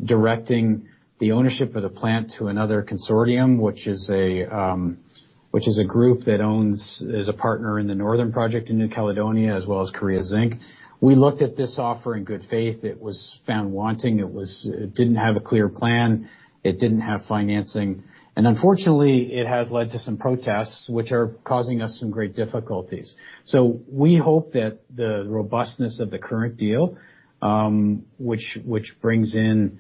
directing the ownership of the plant to another consortium, which is a group that is a partner in the Northern Project in New Caledonia as well as Korea Zinc. We looked at this offer in good faith. It was found wanting. It didn't have a clear plan. It didn't have financing. Unfortunately, it has led to some protests, which are causing us some great difficulties. We hope that the robustness of the current deal, which brings in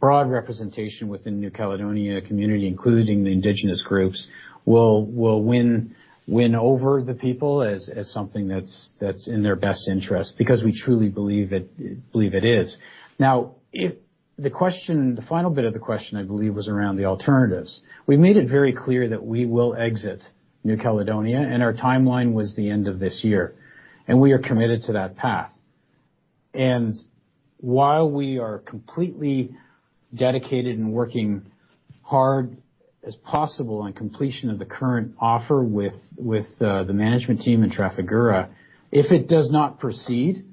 broad representation within New Caledonia community, including the indigenous groups, will win over the people as something that's in their best interest, because we truly believe it is. The final bit of the question, I believe, was around the alternatives. We've made it very clear that we will exit New Caledonia, and our timeline was the end of this year, and we are committed to that path. While we are completely dedicated and working hard as possible on completion of the current offer with the management team and Trafigura, if it does not proceed,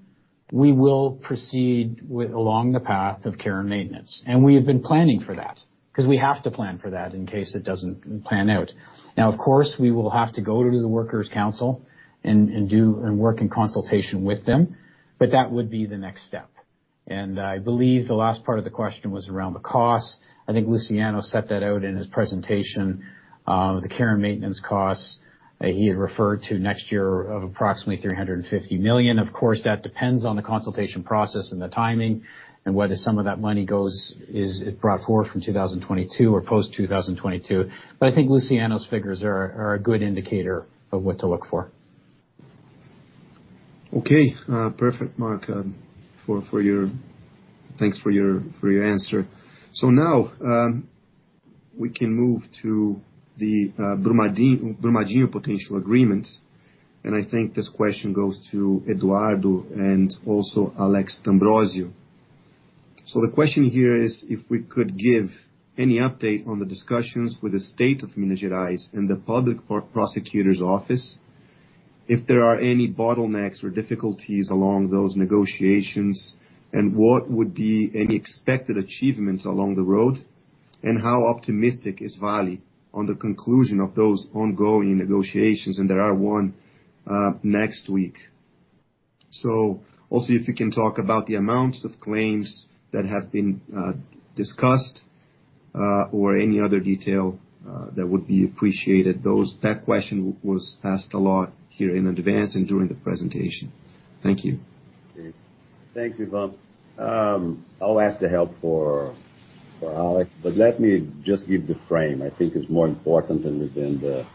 we will proceed along the path of care and maintenance. We have been planning for that, because we have to plan for that in case it doesn't pan out. Now, of course, we will have to go to the Workers' Council and work in consultation with them, but that would be the next step. I believe the last part of the question was around the cost. I think Luciano set that out in his presentation. The care and maintenance costs that he had referred to next year of approximately 350 million. Of course, that depends on the consultation process and the timing and whether some of that money is brought forward from 2022 or post-2022. I think Luciano's figures are a good indicator of what to look for. Okay. Perfect, Mark. Thanks for your answer. Now, we can move to the Brumadinho potential agreement, and I think this question goes to Eduardo and also Alexandre D'Ambrosio. The question here is, if we could give any update on the discussions with the State of Minas Gerais and the Public Prosecutor's Office. If there are any bottlenecks or difficulties along those negotiations, and what would be any expected achievements along the road, and how optimistic is Vale on the conclusion of those ongoing negotiations, and there are one next week. Also, if you can talk about the amounts of claims that have been discussed, or any other detail, that would be appreciated. That question was asked a lot here in advance and during the presentation. Thank you. Thanks, Ivan. I'll ask the help for Alex. Let me just give the frame. I think it's more important than the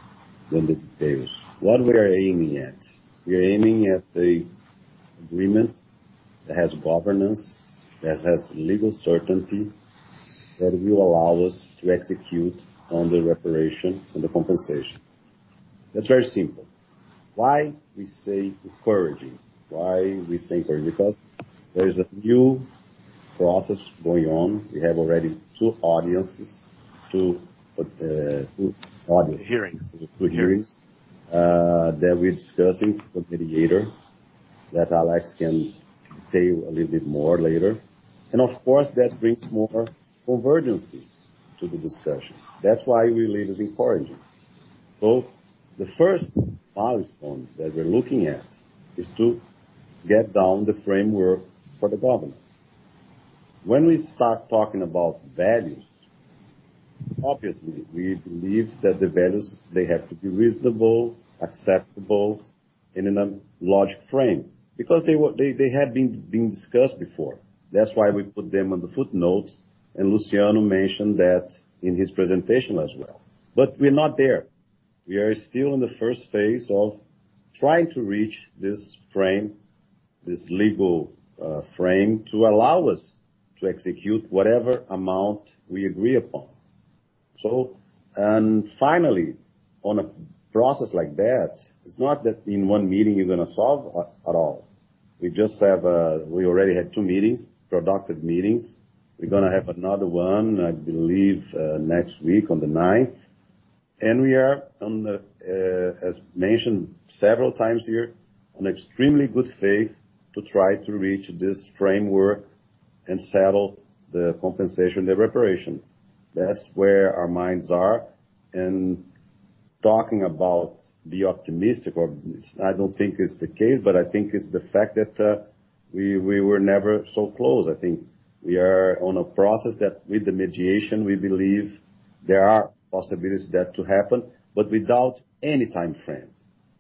details. We are aiming at the agreement that has governance, that has legal certainty, that will allow us to execute on the reparation and the compensation. That's very simple. Why we say encouraging? Because there is a new process going on. We have already two audiences. Hearings Two hearings, that we're discussing with mediator, that Alex can tell you a little bit more later. Of course, that brings more convergences to the discussions. That's why we believe is encouraging. The first milestone that we're looking at is to get down the framework for the governance. When we start talking about values, obviously, we believe that the values, they have to be reasonable, acceptable, and in a logic frame, because they had been discussed before. That's why we put them on the footnotes. Luciano mentioned that in his presentation as well. We're not there. We are still in the first phase of trying to reach this frame, this legal frame to allow us to execute whatever amount we agree upon. Finally, on a process like that, it's not that in one meeting you're gonna solve at all. We already had two meetings, productive meetings. We're gonna have another one, I believe, next week on the ninth. We are, as mentioned several times here, in extremely good faith to try to reach this framework and settle the compensation, the reparation. That's where our minds are. Talking about the optimistic, I don't think it's the case, but I think it's the fact that we were never so close. I think we are on a process that with the mediation, we believe there are possibilities that to happen, but without any timeframe.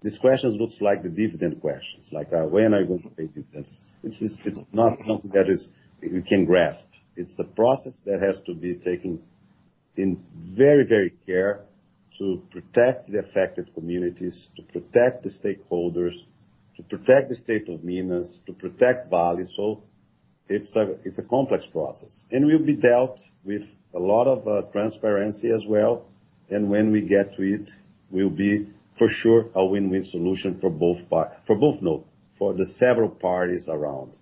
These questions looks like the dividend questions, like when are you going to pay dividends? It's not something that you can grasp. It's a process that has to be taken in very care to protect the affected communities, to protect the stakeholders, to protect the state of Minas, to protect Vale. It's a complex process, and will be dealt with a lot of transparency as well. When we get to it, will be, for sure, a win-win solution for the several parties around.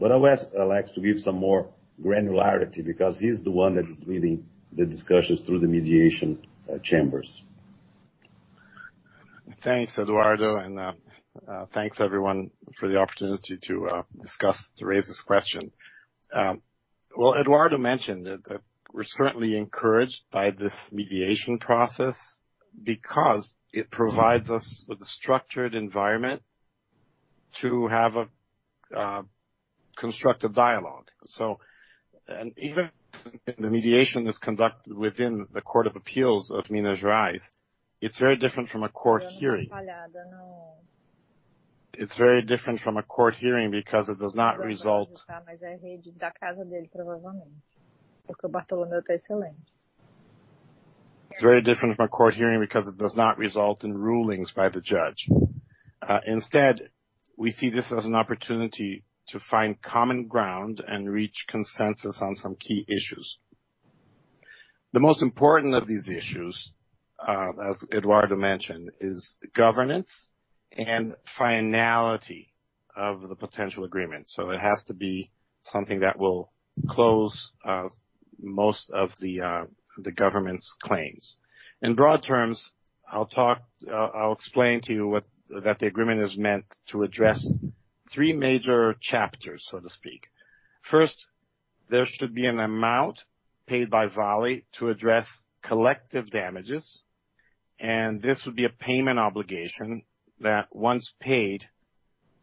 I'll ask Alex to give some more granularity because he's the one that is leading the discussions through the mediation chambers. Thanks, Eduardo, and thanks everyone for the opportunity to discuss, to raise this question. Well, Eduardo mentioned that we're certainly encouraged by this mediation process because it provides us with a structured environment to have a constructive dialogue. Even the mediation is conducted within the Court of Appeals of Minas Gerais, it's very different from a court hearing. It's very different from a court hearing because it does not result in rulings by the judge. Instead, we see this as an opportunity to find common ground and reach consensus on some key issues. The most important of these issues, as Eduardo mentioned, is governance and finality of the potential agreement. It has to be something that will close most of the government's claims. In broad terms, I'll explain to you what that agreement is meant to address three major chapters, so to speak. First, there should be an amount paid by Vale to address collective damages, and this would be a payment obligation that, once paid,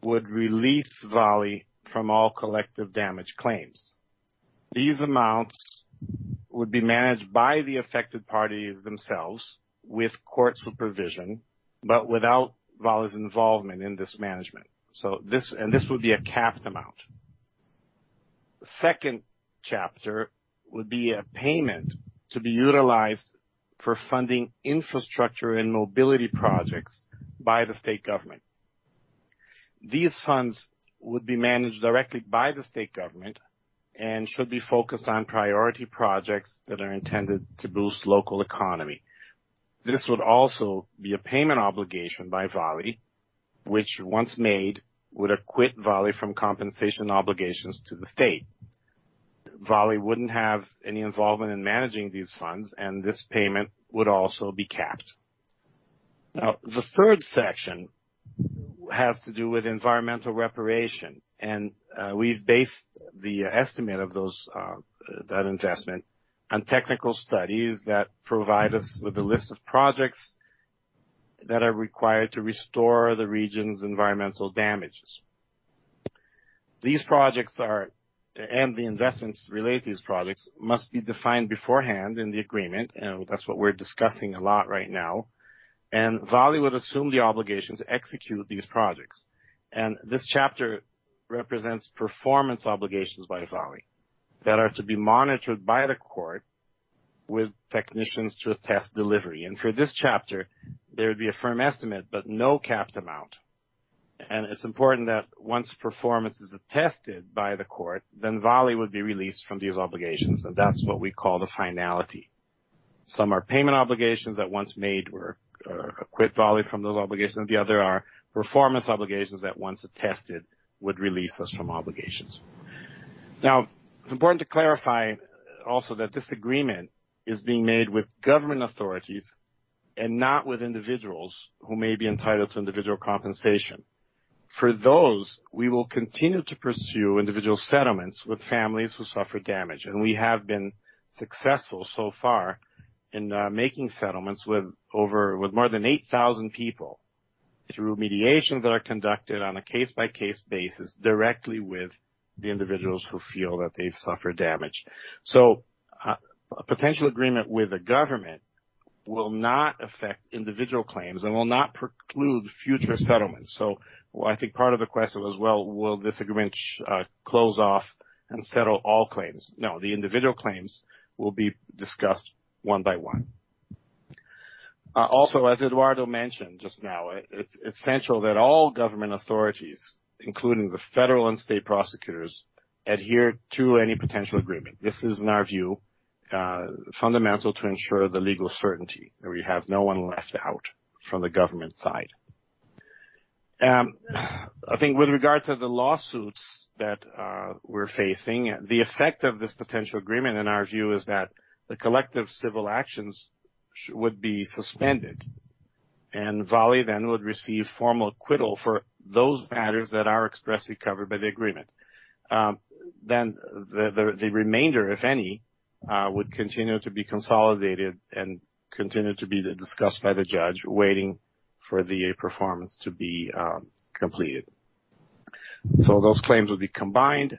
would release Vale from all collective damage claims. These amounts would be managed by the affected parties themselves with courts supervision, but without Vale's involvement in this management. This would be a capped amount. The second chapter would be a payment to be utilized for funding infrastructure and mobility projects by the state government. These funds would be managed directly by the state government and should be focused on priority projects that are intended to boost local economy. This would also be a payment obligation by Vale, which once made, would acquit Vale from compensation obligations to the state. Vale wouldn't have any involvement in managing these funds, and this payment would also be capped. Now, the third section has to do with environmental reparation, and we've based the estimate of that investment on technical studies that provide us with a list of projects that are required to restore the region's environmental damages. These projects are, and the investments related to these projects, must be defined beforehand in the agreement, and that's what we're discussing a lot right now. Vale would assume the obligation to execute these projects. This chapter represents performance obligations by Vale that are to be monitored by the court with technicians to attest delivery. For this chapter, there would be a firm estimate, but no capped amount. It's important that once performance is attested by the court, then Vale would be released from these obligations, and that's what we call the finality. Some are payment obligations that once made or acquit Vale from those obligations. The other are performance obligations that once attested, would release us from obligations. Now, it's important to clarify also that this agreement is being made with government authorities and not with individuals who may be entitled to individual compensation. For those, we will continue to pursue individual settlements with families who suffered damage. We have been successful so far in making settlements with more than 8,000 people through mediations that are conducted on a case-by-case basis, directly with the individuals who feel that they've suffered damage. A potential agreement with the government will not affect individual claims and will not preclude future settlements. I think part of the question was, well, will this agreement close off and settle all claims? No, the individual claims will be discussed one by one. As Eduardo mentioned just now, it's essential that all government authorities, including the federal and state prosecutors, adhere to any potential agreement. This is, in our view, fundamental to ensure the legal certainty that we have no one left out from the government side. I think with regard to the lawsuits that we're facing, the effect of this potential agreement, in our view, is that the collective civil actions would be suspended, and Vale then would receive formal acquittal for those matters that are expressly covered by the agreement. The remainder, if any, would continue to be consolidated and continue to be discussed by the judge, waiting for the performance to be completed. Those claims would be combined,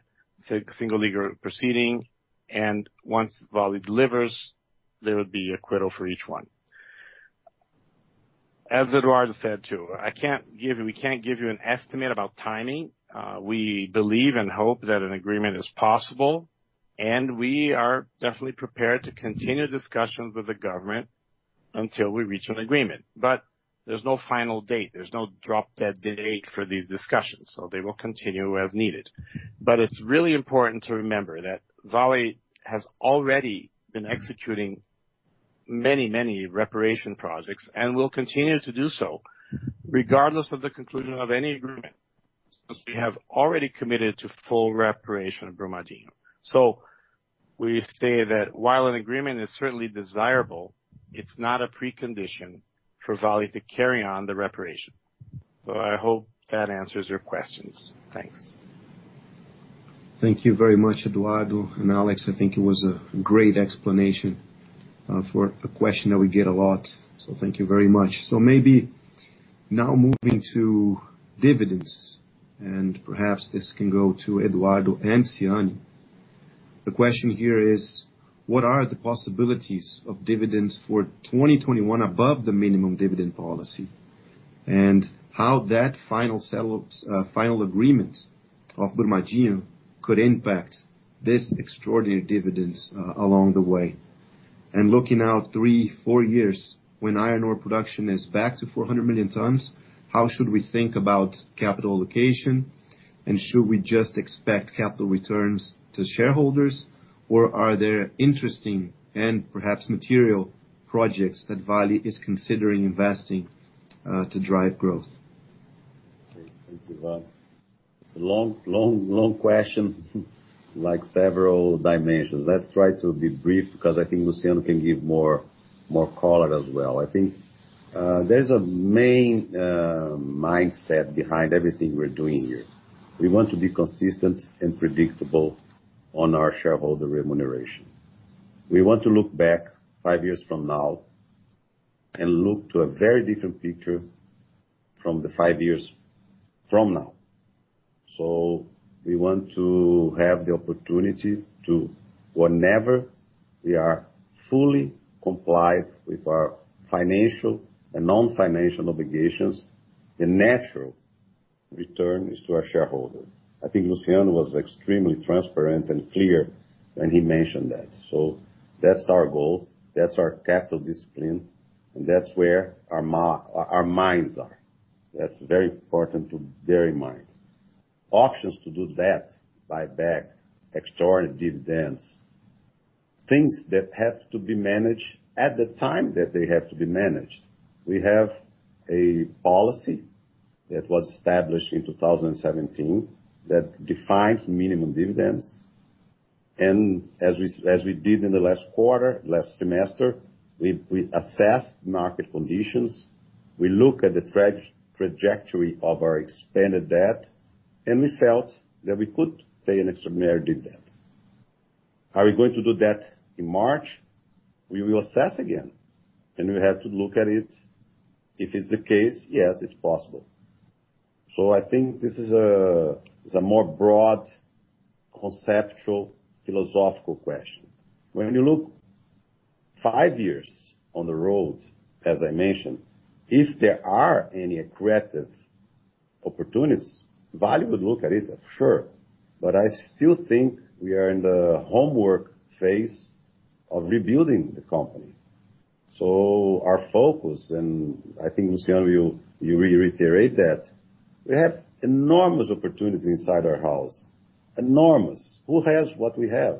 single legal proceeding, and once Vale delivers, there would be acquittal for each one. As Eduardo said, too, we can't give you an estimate about timing. We believe and hope that an agreement is possible, and we are definitely prepared to continue discussions with the government until we reach an agreement. There's no final date. There's no drop-dead date for these discussions, they will continue as needed. It's really important to remember that Vale has already been executing many reparation projects and will continue to do so regardless of the conclusion of any agreement, because we have already committed to full reparation of Brumadinho. We say that while an agreement is certainly desirable, it's not a precondition for Vale to carry on the reparation. I hope that answers your questions. Thanks. Thank you very much, Eduardo and Alex. I think it was a great explanation for a question that we get a lot. Thank you very much. Maybe now moving to dividends, and perhaps this can go to Eduardo and Luciano. The question here is, what are the possibilities of dividends for 2021 above the minimum dividend policy? How that final agreement of Brumadinho could impact this extraordinary dividends along the way? Looking out three, four years when iron ore production is back to 400 million tons, how should we think about capital allocation? Should we just expect capital returns to shareholders, or are there interesting and perhaps material projects that Vale is considering investing to drive growth? Great. Thank you, Ivan. It's a long question, like several dimensions. Let's try to be brief because I think Luciano can give more color as well. I think there's a main mindset behind everything we're doing here. We want to be consistent and predictable on our shareholder remuneration. We want to look back five years from now and look to a very different picture from the five years from now. We want to have the opportunity to whenever we are fully complied with our financial and non-financial obligations, the natural return is to our shareholder. I think Luciano was extremely transparent and clear when he mentioned that. That's our goal, that's our capital discipline, and that's where our minds are. That's very important to bear in mind. Options to do that, buy back extraordinary dividends. Things that have to be managed at the time that they have to be managed. We have a policy that was established in 2017 that defines minimum dividends. As we did in the last quarter, last semester, we assessed market conditions. We look at the trajectory of our expanded debt, and we felt that we could pay an extraordinary dividend. Are we going to do that in March? We will assess again, and we have to look at it. If it's the case, yes, it's possible. I think this is a more broad, conceptual, philosophical question. When you look five years on the road, as I mentioned, if there are any accretive opportunities, Vale would look at it for sure. I still think we are in the homework phase of rebuilding the company. Our focus, and I think Luciano, you reiterate that, we have enormous opportunities inside our house. Enormous. Who has what we have?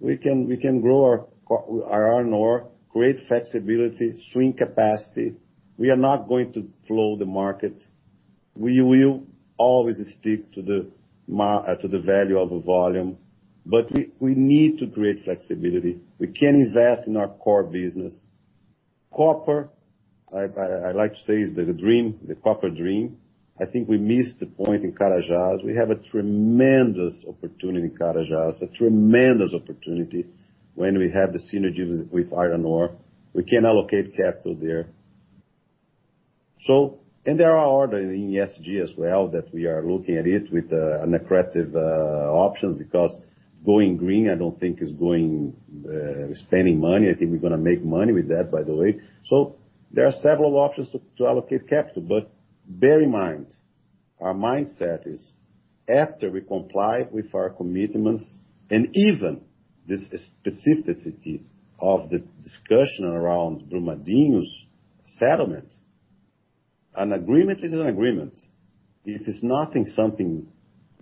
We can grow our iron ore, create flexibility, shrink capacity. We are not going to flow the market. We will always stick to the value of the volume. We need to create flexibility. We can invest in our core business. Copper, I like to say, is the copper dream. I think we missed the point in Carajás. We have a tremendous opportunity in Carajás, a tremendous opportunity when we have the synergy with iron ore. We can allocate capital there. There are others in ESG as well that we are looking at it with an accretive options because going green, I don't think is spending money. I think we're going to make money with that, by the way. There are several options to allocate capital. Bear in mind, our mindset is after we comply with our commitments and even this specificity of the discussion around Brumadinho's settlement. An agreement is an agreement. If it's nothing something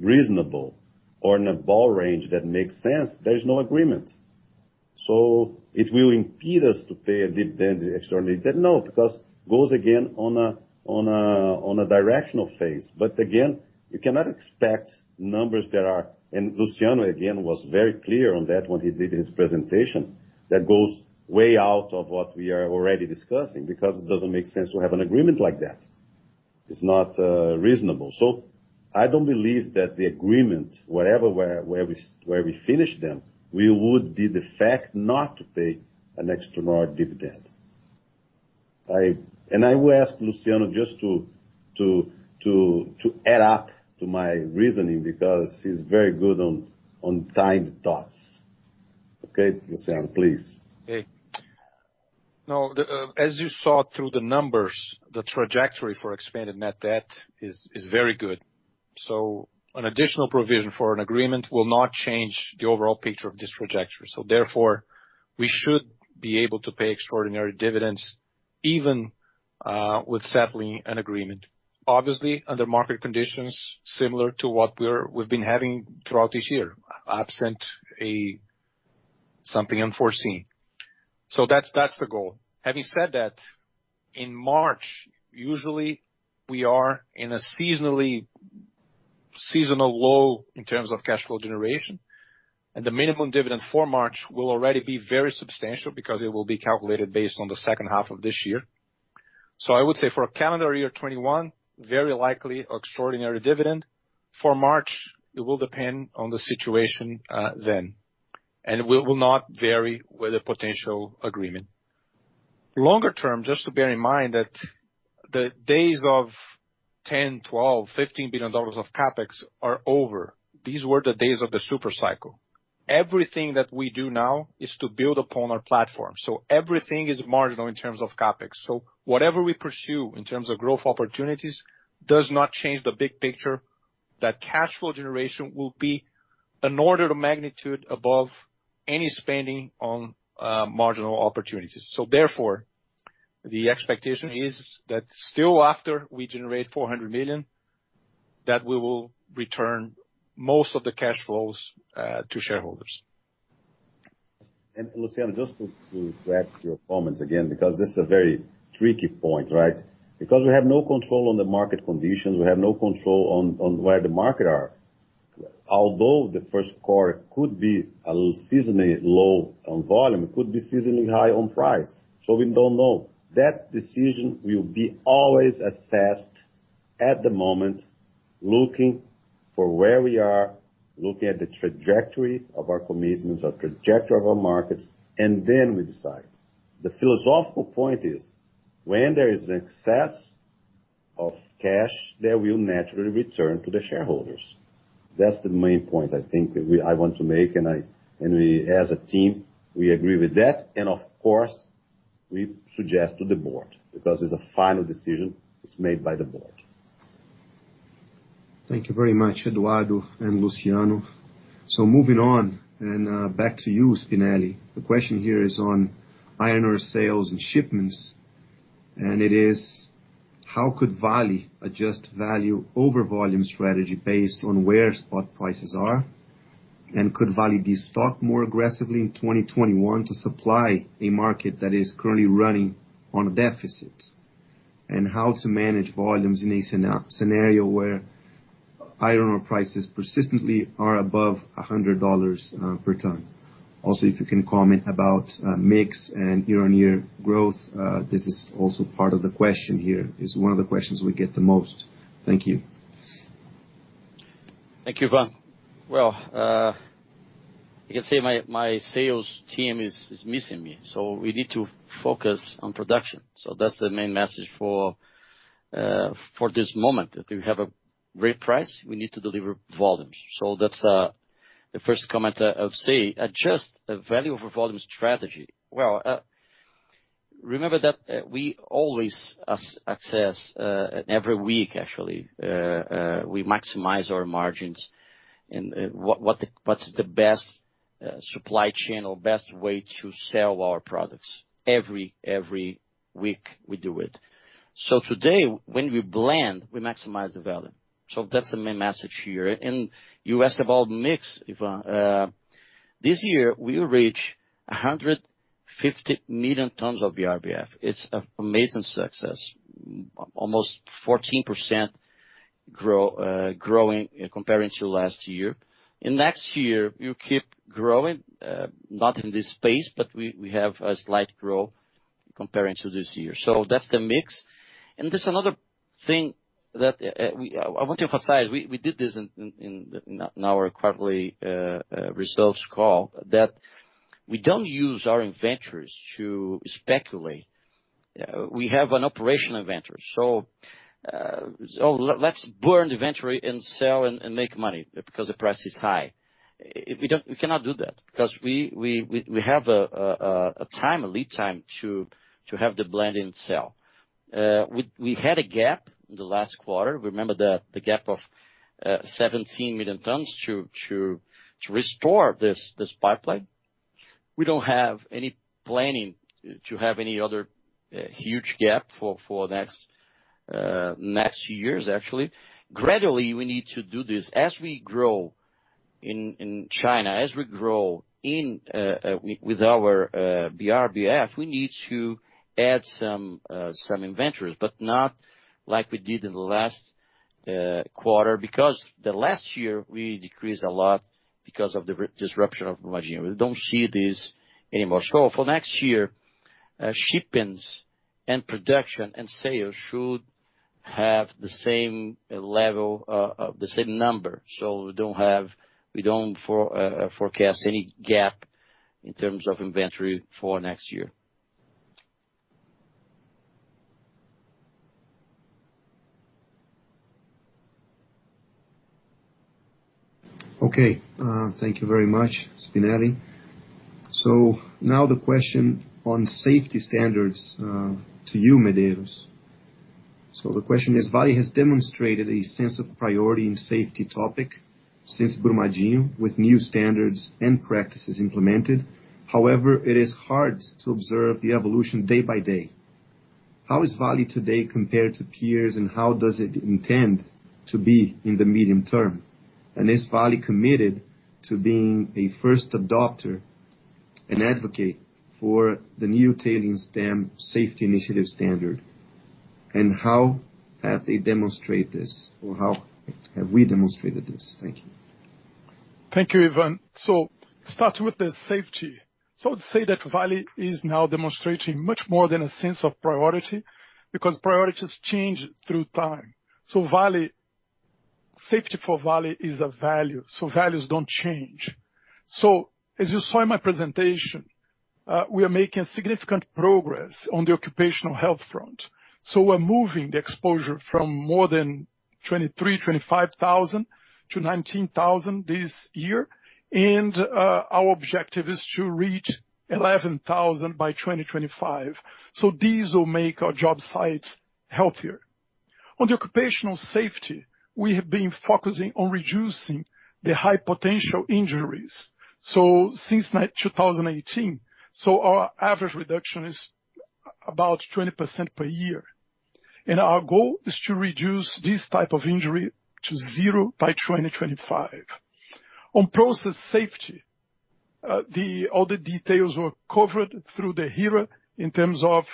reasonable or in a ball range that makes sense, there is no agreement. It will impede us to pay a dividend, the extraordinary dividend? No, because goes again on a directional phase. Again, you cannot expect numbers that are, and Luciano, again, was very clear on that when he did his presentation, that goes way out of what we are already discussing because it doesn't make sense to have an agreement like that. It's not reasonable. I don't believe that the agreement, wherever we finish them, would be the fact not to pay an extraordinary dividend. I will ask Luciano just to add up to my reasoning because he's very good on timed thoughts. Okay, Luciano, please. Okay. Now, as you saw through the numbers, the trajectory for expanded net debt is very good. An additional provision for an agreement will not change the overall picture of this trajectory. Therefore, we should be able to pay extraordinary dividends even with settling an agreement. Obviously, under market conditions similar to what we've been having throughout this year, absent something unforeseen. That's the goal. Having said that, in March, usually we are in a seasonal low in terms of cash flow generation, and the minimum dividend for March will already be very substantial because it will be calculated based on the second half of this year. I would say for calendar year 2021, very likely extraordinary dividend. For March, it will depend on the situation then, and will not vary with a potential agreement. Longer term, just to bear in mind that the days of 10 billion, 12 billion, BRL 15 billion of CapEx are over. These were the days of the super cycle. Everything that we do now is to build upon our platform. Everything is marginal in terms of CapEx. Whatever we pursue in terms of growth opportunities does not change the big picture that cash flow generation will be an order of magnitude above any spending on marginal opportunities. Therefore, the expectation is that still after we generate 400 million, that we will return most of the cash flows to shareholders. Luciano, just to grab your comments again, because this is a very tricky point, right? Because we have no control on the market conditions, we have no control on where the market are. The first quarter could be a little seasonally low on volume, it could be seasonally high on price. We don't know. That decision will be always assessed at the moment, looking for where we are, looking at the trajectory of our commitments, the trajectory of our markets, we decide. The philosophical point is when there is excess of cash, that will naturally return to the shareholders. That's the main point I think I want to make, we as a team, we agree with that. Of course, we suggest to the board, because it's a final decision, it's made by the board. Thank you very much, Eduardo and Luciano. Moving on, and back to you, Spinelli. The question here is on iron ore sales and shipments. It is, how could Vale adjust value over volume strategy based on where spot prices are? Could Vale destock more aggressively in 2021 to supply a market that is currently running on a deficit? How to manage volumes in a scenario where iron ore prices persistently are above $100 per ton. Also, if you can comment about mix and year-on-year growth, this is also part of the question here, is one of the questions we get the most. Thank you. Thank you, Ivan. Well, you can say my sales team is missing me, so we need to focus on production. That's the main message for this moment, that we have a great price, we need to deliver volumes. That's the first comment I would say. Adjust the value over volume strategy. Well, remember that we always access, every week actually, we maximize our margins and what's the best supply chain or best way to sell our products. Every week we do it. Today, when we blend, we maximize the value. That's the main message here. You asked about mix, Ivan. This year, we reach 150 million tons of BRBF. It's amazing success. Almost 14% growing comparing to last year. Next year, we keep growing, not in this space, but we have a slight growth comparing to this year. That's the mix. There's another thing that I want to emphasize. We did this in our quarterly results call that we don't use our inventories to speculate. We have an operational inventory. Let's burn the inventory and sell and make money because the price is high. We cannot do that because we have a time, a lead time, to have the blend and sell. We had a gap in the last quarter. Remember the gap of 17 million tons to restore this pipeline. We don't have any planning to have any other huge gap for next years, actually. Gradually, we need to do this as we grow in China, as we grow with our BRBF, we need to add some inventories, but not like we did in the last quarter because the last year we decreased a lot because of the disruption of Brazil. We don't see this anymore. For next year, shipments and production and sales should have the same level of the same number. We don't forecast any gap in terms of inventory for next year. Okay. Thank you very much, Spinelli. Now the question on safety standards to you, Medeiros. The question is, Vale has demonstrated a sense of priority in safety topic since Brumadinho, with new standards and practices implemented. However, it is hard to observe the evolution day by day. How is Vale today compared to peers, and how does it intend to be in the medium term? Is Vale committed to being a first adopter and advocate for the new Tailings Dam Safety Initiative standard? How have they demonstrate this, or how have we demonstrated this? Thank you. Thank you, Ivan. Starting with the safety. I'd say that Vale is now demonstrating much more than a sense of priority because priorities change through time. Safety for Vale is a value, so values don't change. As you saw in my presentation, we are making significant progress on the occupational health front. We're moving the exposure from more than 23,000, 25,000 to 19,000 this year. Our objective is to reach 11,000 by 2025. These will make our job sites healthier. On the occupational safety, we have been focusing on reducing the high potential injuries since 2018. Our average reduction is about 20% per year. Our goal is to reduce this type of injury to zero by 2025. On process safety, all the details were covered through the HIRA in terms of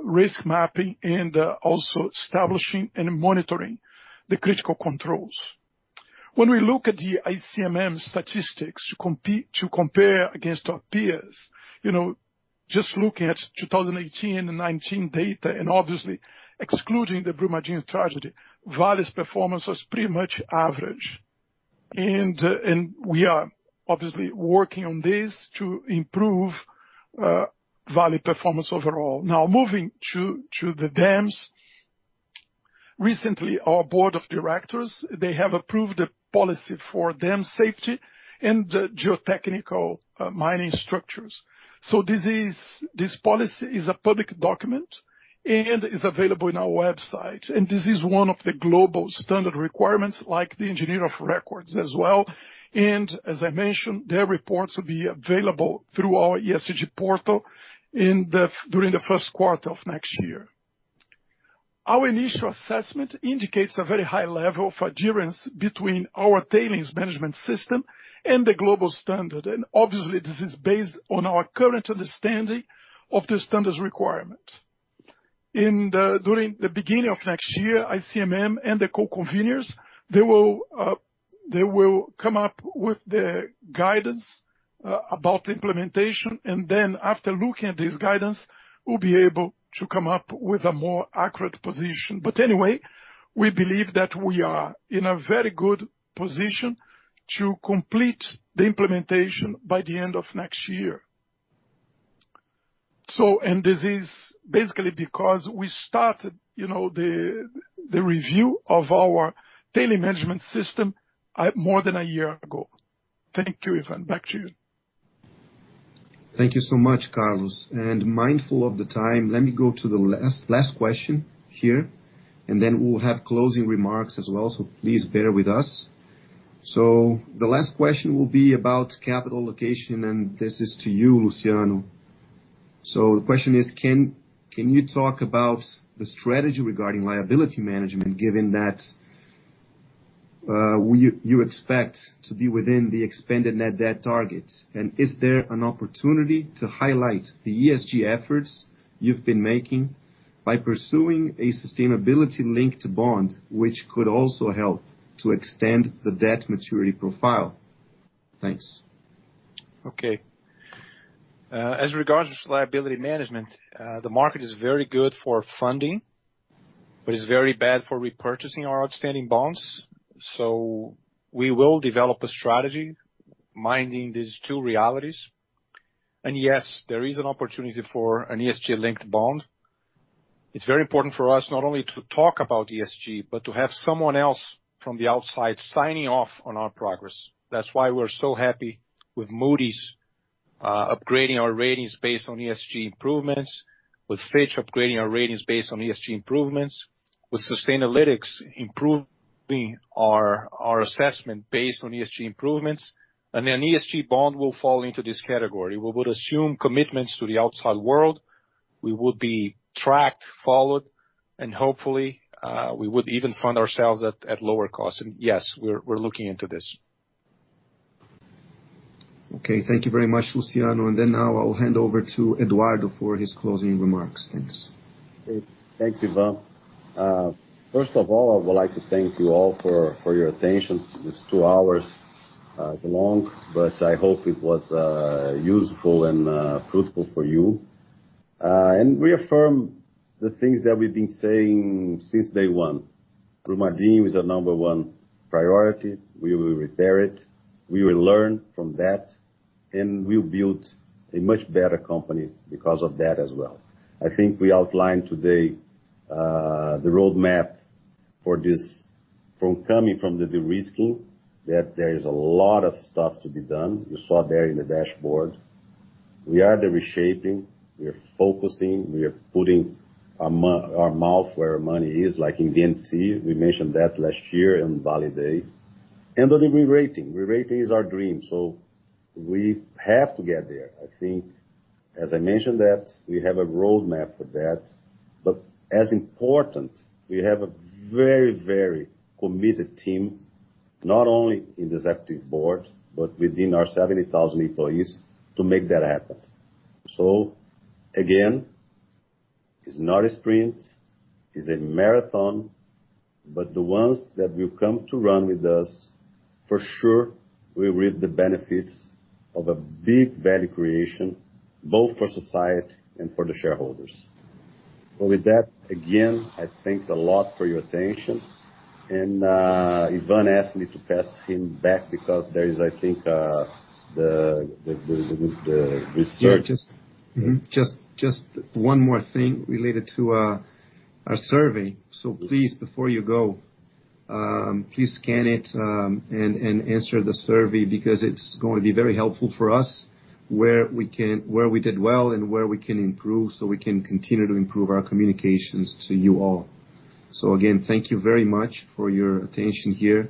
risk mapping and also establishing and monitoring the critical controls. When we look at the ICMM statistics to compare against our peers, just looking at 2018 and 2019 data, obviously excluding the Brumadinho tragedy, Vale's performance was pretty much average. We are obviously working on this to improve Vale performance overall. Now, moving to the dams. Recently, our board of directors, they have approved a policy for dam safety and geotechnical mining structures. This policy is a public document and is available on our website. This is one of the global standard requirements like the engineer of record as well. As I mentioned, their reports will be available through our ESG portal during the first quarter of next year. Our initial assessment indicates a very high level of adherence between our tailings management system and the global standard. Obviously this is based on our current understanding of the standards requirements. During the beginning of next year, ICMM and the co-conveners, they will come up with the guidance about implementation, and then after looking at this guidance, we'll be able to come up with a more accurate position. Anyway, we believe that we are in a very good position to complete the implementation by the end of next year. This is basically because we started the review of our daily management system more than a year ago. Thank you, Ivan. Back to you. Thank you so much, Carlos. Mindful of the time, let me go to the last question here. Then we'll have closing remarks as well, please bear with us. The last question will be about capital allocation. This is to you, Luciano. The question is: Can you talk about the strategy regarding liability management, given that you expect to be within the expanded net debt target? Is there an opportunity to highlight the ESG efforts you've been making by pursuing a sustainability-linked bond which could also help to extend the debt maturity profile? Thanks. Okay. As regards liability management, the market is very good for funding, but it's very bad for repurchasing our outstanding bonds. We will develop a strategy minding these two realities. Yes, there is an opportunity for an ESG-linked bond. It's very important for us not only to talk about ESG, but to have someone else from the outside signing off on our progress. That's why we're so happy with Moody's upgrading our ratings based on ESG improvements, with Fitch upgrading our ratings based on ESG improvements, with Sustainalytics improving our assessment based on ESG improvements. An ESG bond will fall into this category. We would assume commitments to the outside world. We would be tracked, followed, and hopefully, we would even fund ourselves at lower costs. Yes, we're looking into this. Okay. Thank you very much, Luciano. Now I will hand over to Eduardo for his closing remarks. Thanks. Thanks, Ivan. First of all, I would like to thank you all for your attention. These two hours is long, but I hope it was useful and fruitful for you. Reaffirm the things that we've been saying since day one. Brumadinho is our number one priority. We will repair it, we will learn from that, and we'll build a much better company because of that as well. I think we outlined today the roadmap for this, from coming from the de-risking, that there is a lot of stuff to be done. You saw there in the dashboard. We are the reshaping, we are focusing, we are putting our mouth where our money is, like in VNC, we mentioned that last year on Vale Day. On the re-rating. Re-rating is our dream, so we have to get there. I think, as I mentioned that we have a roadmap for that. As important, we have a very committed team, not only in the executive board, but within our 70,000 employees to make that happen. Again, it's not a sprint, it's a marathon, but the ones that will come to run with us, for sure will reap the benefits of a big value creation, both for society and for the shareholders. With that, again, I thanks a lot for your attention. Ivan asked me to pass him back because there is, I think, the research. Just one more thing related to our survey. Please, before you go, please scan it, and answer the survey because it's going to be very helpful for us where we did well and where we can improve so we can continue to improve our communications to you all. Again, thank you very much for your attention here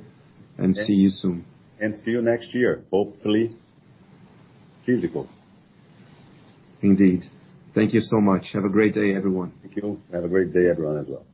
and see you soon. See you next year, hopefully physical. Indeed. Thank you so much. Have a great day, everyone. Thank you. Have a great day, everyone as well.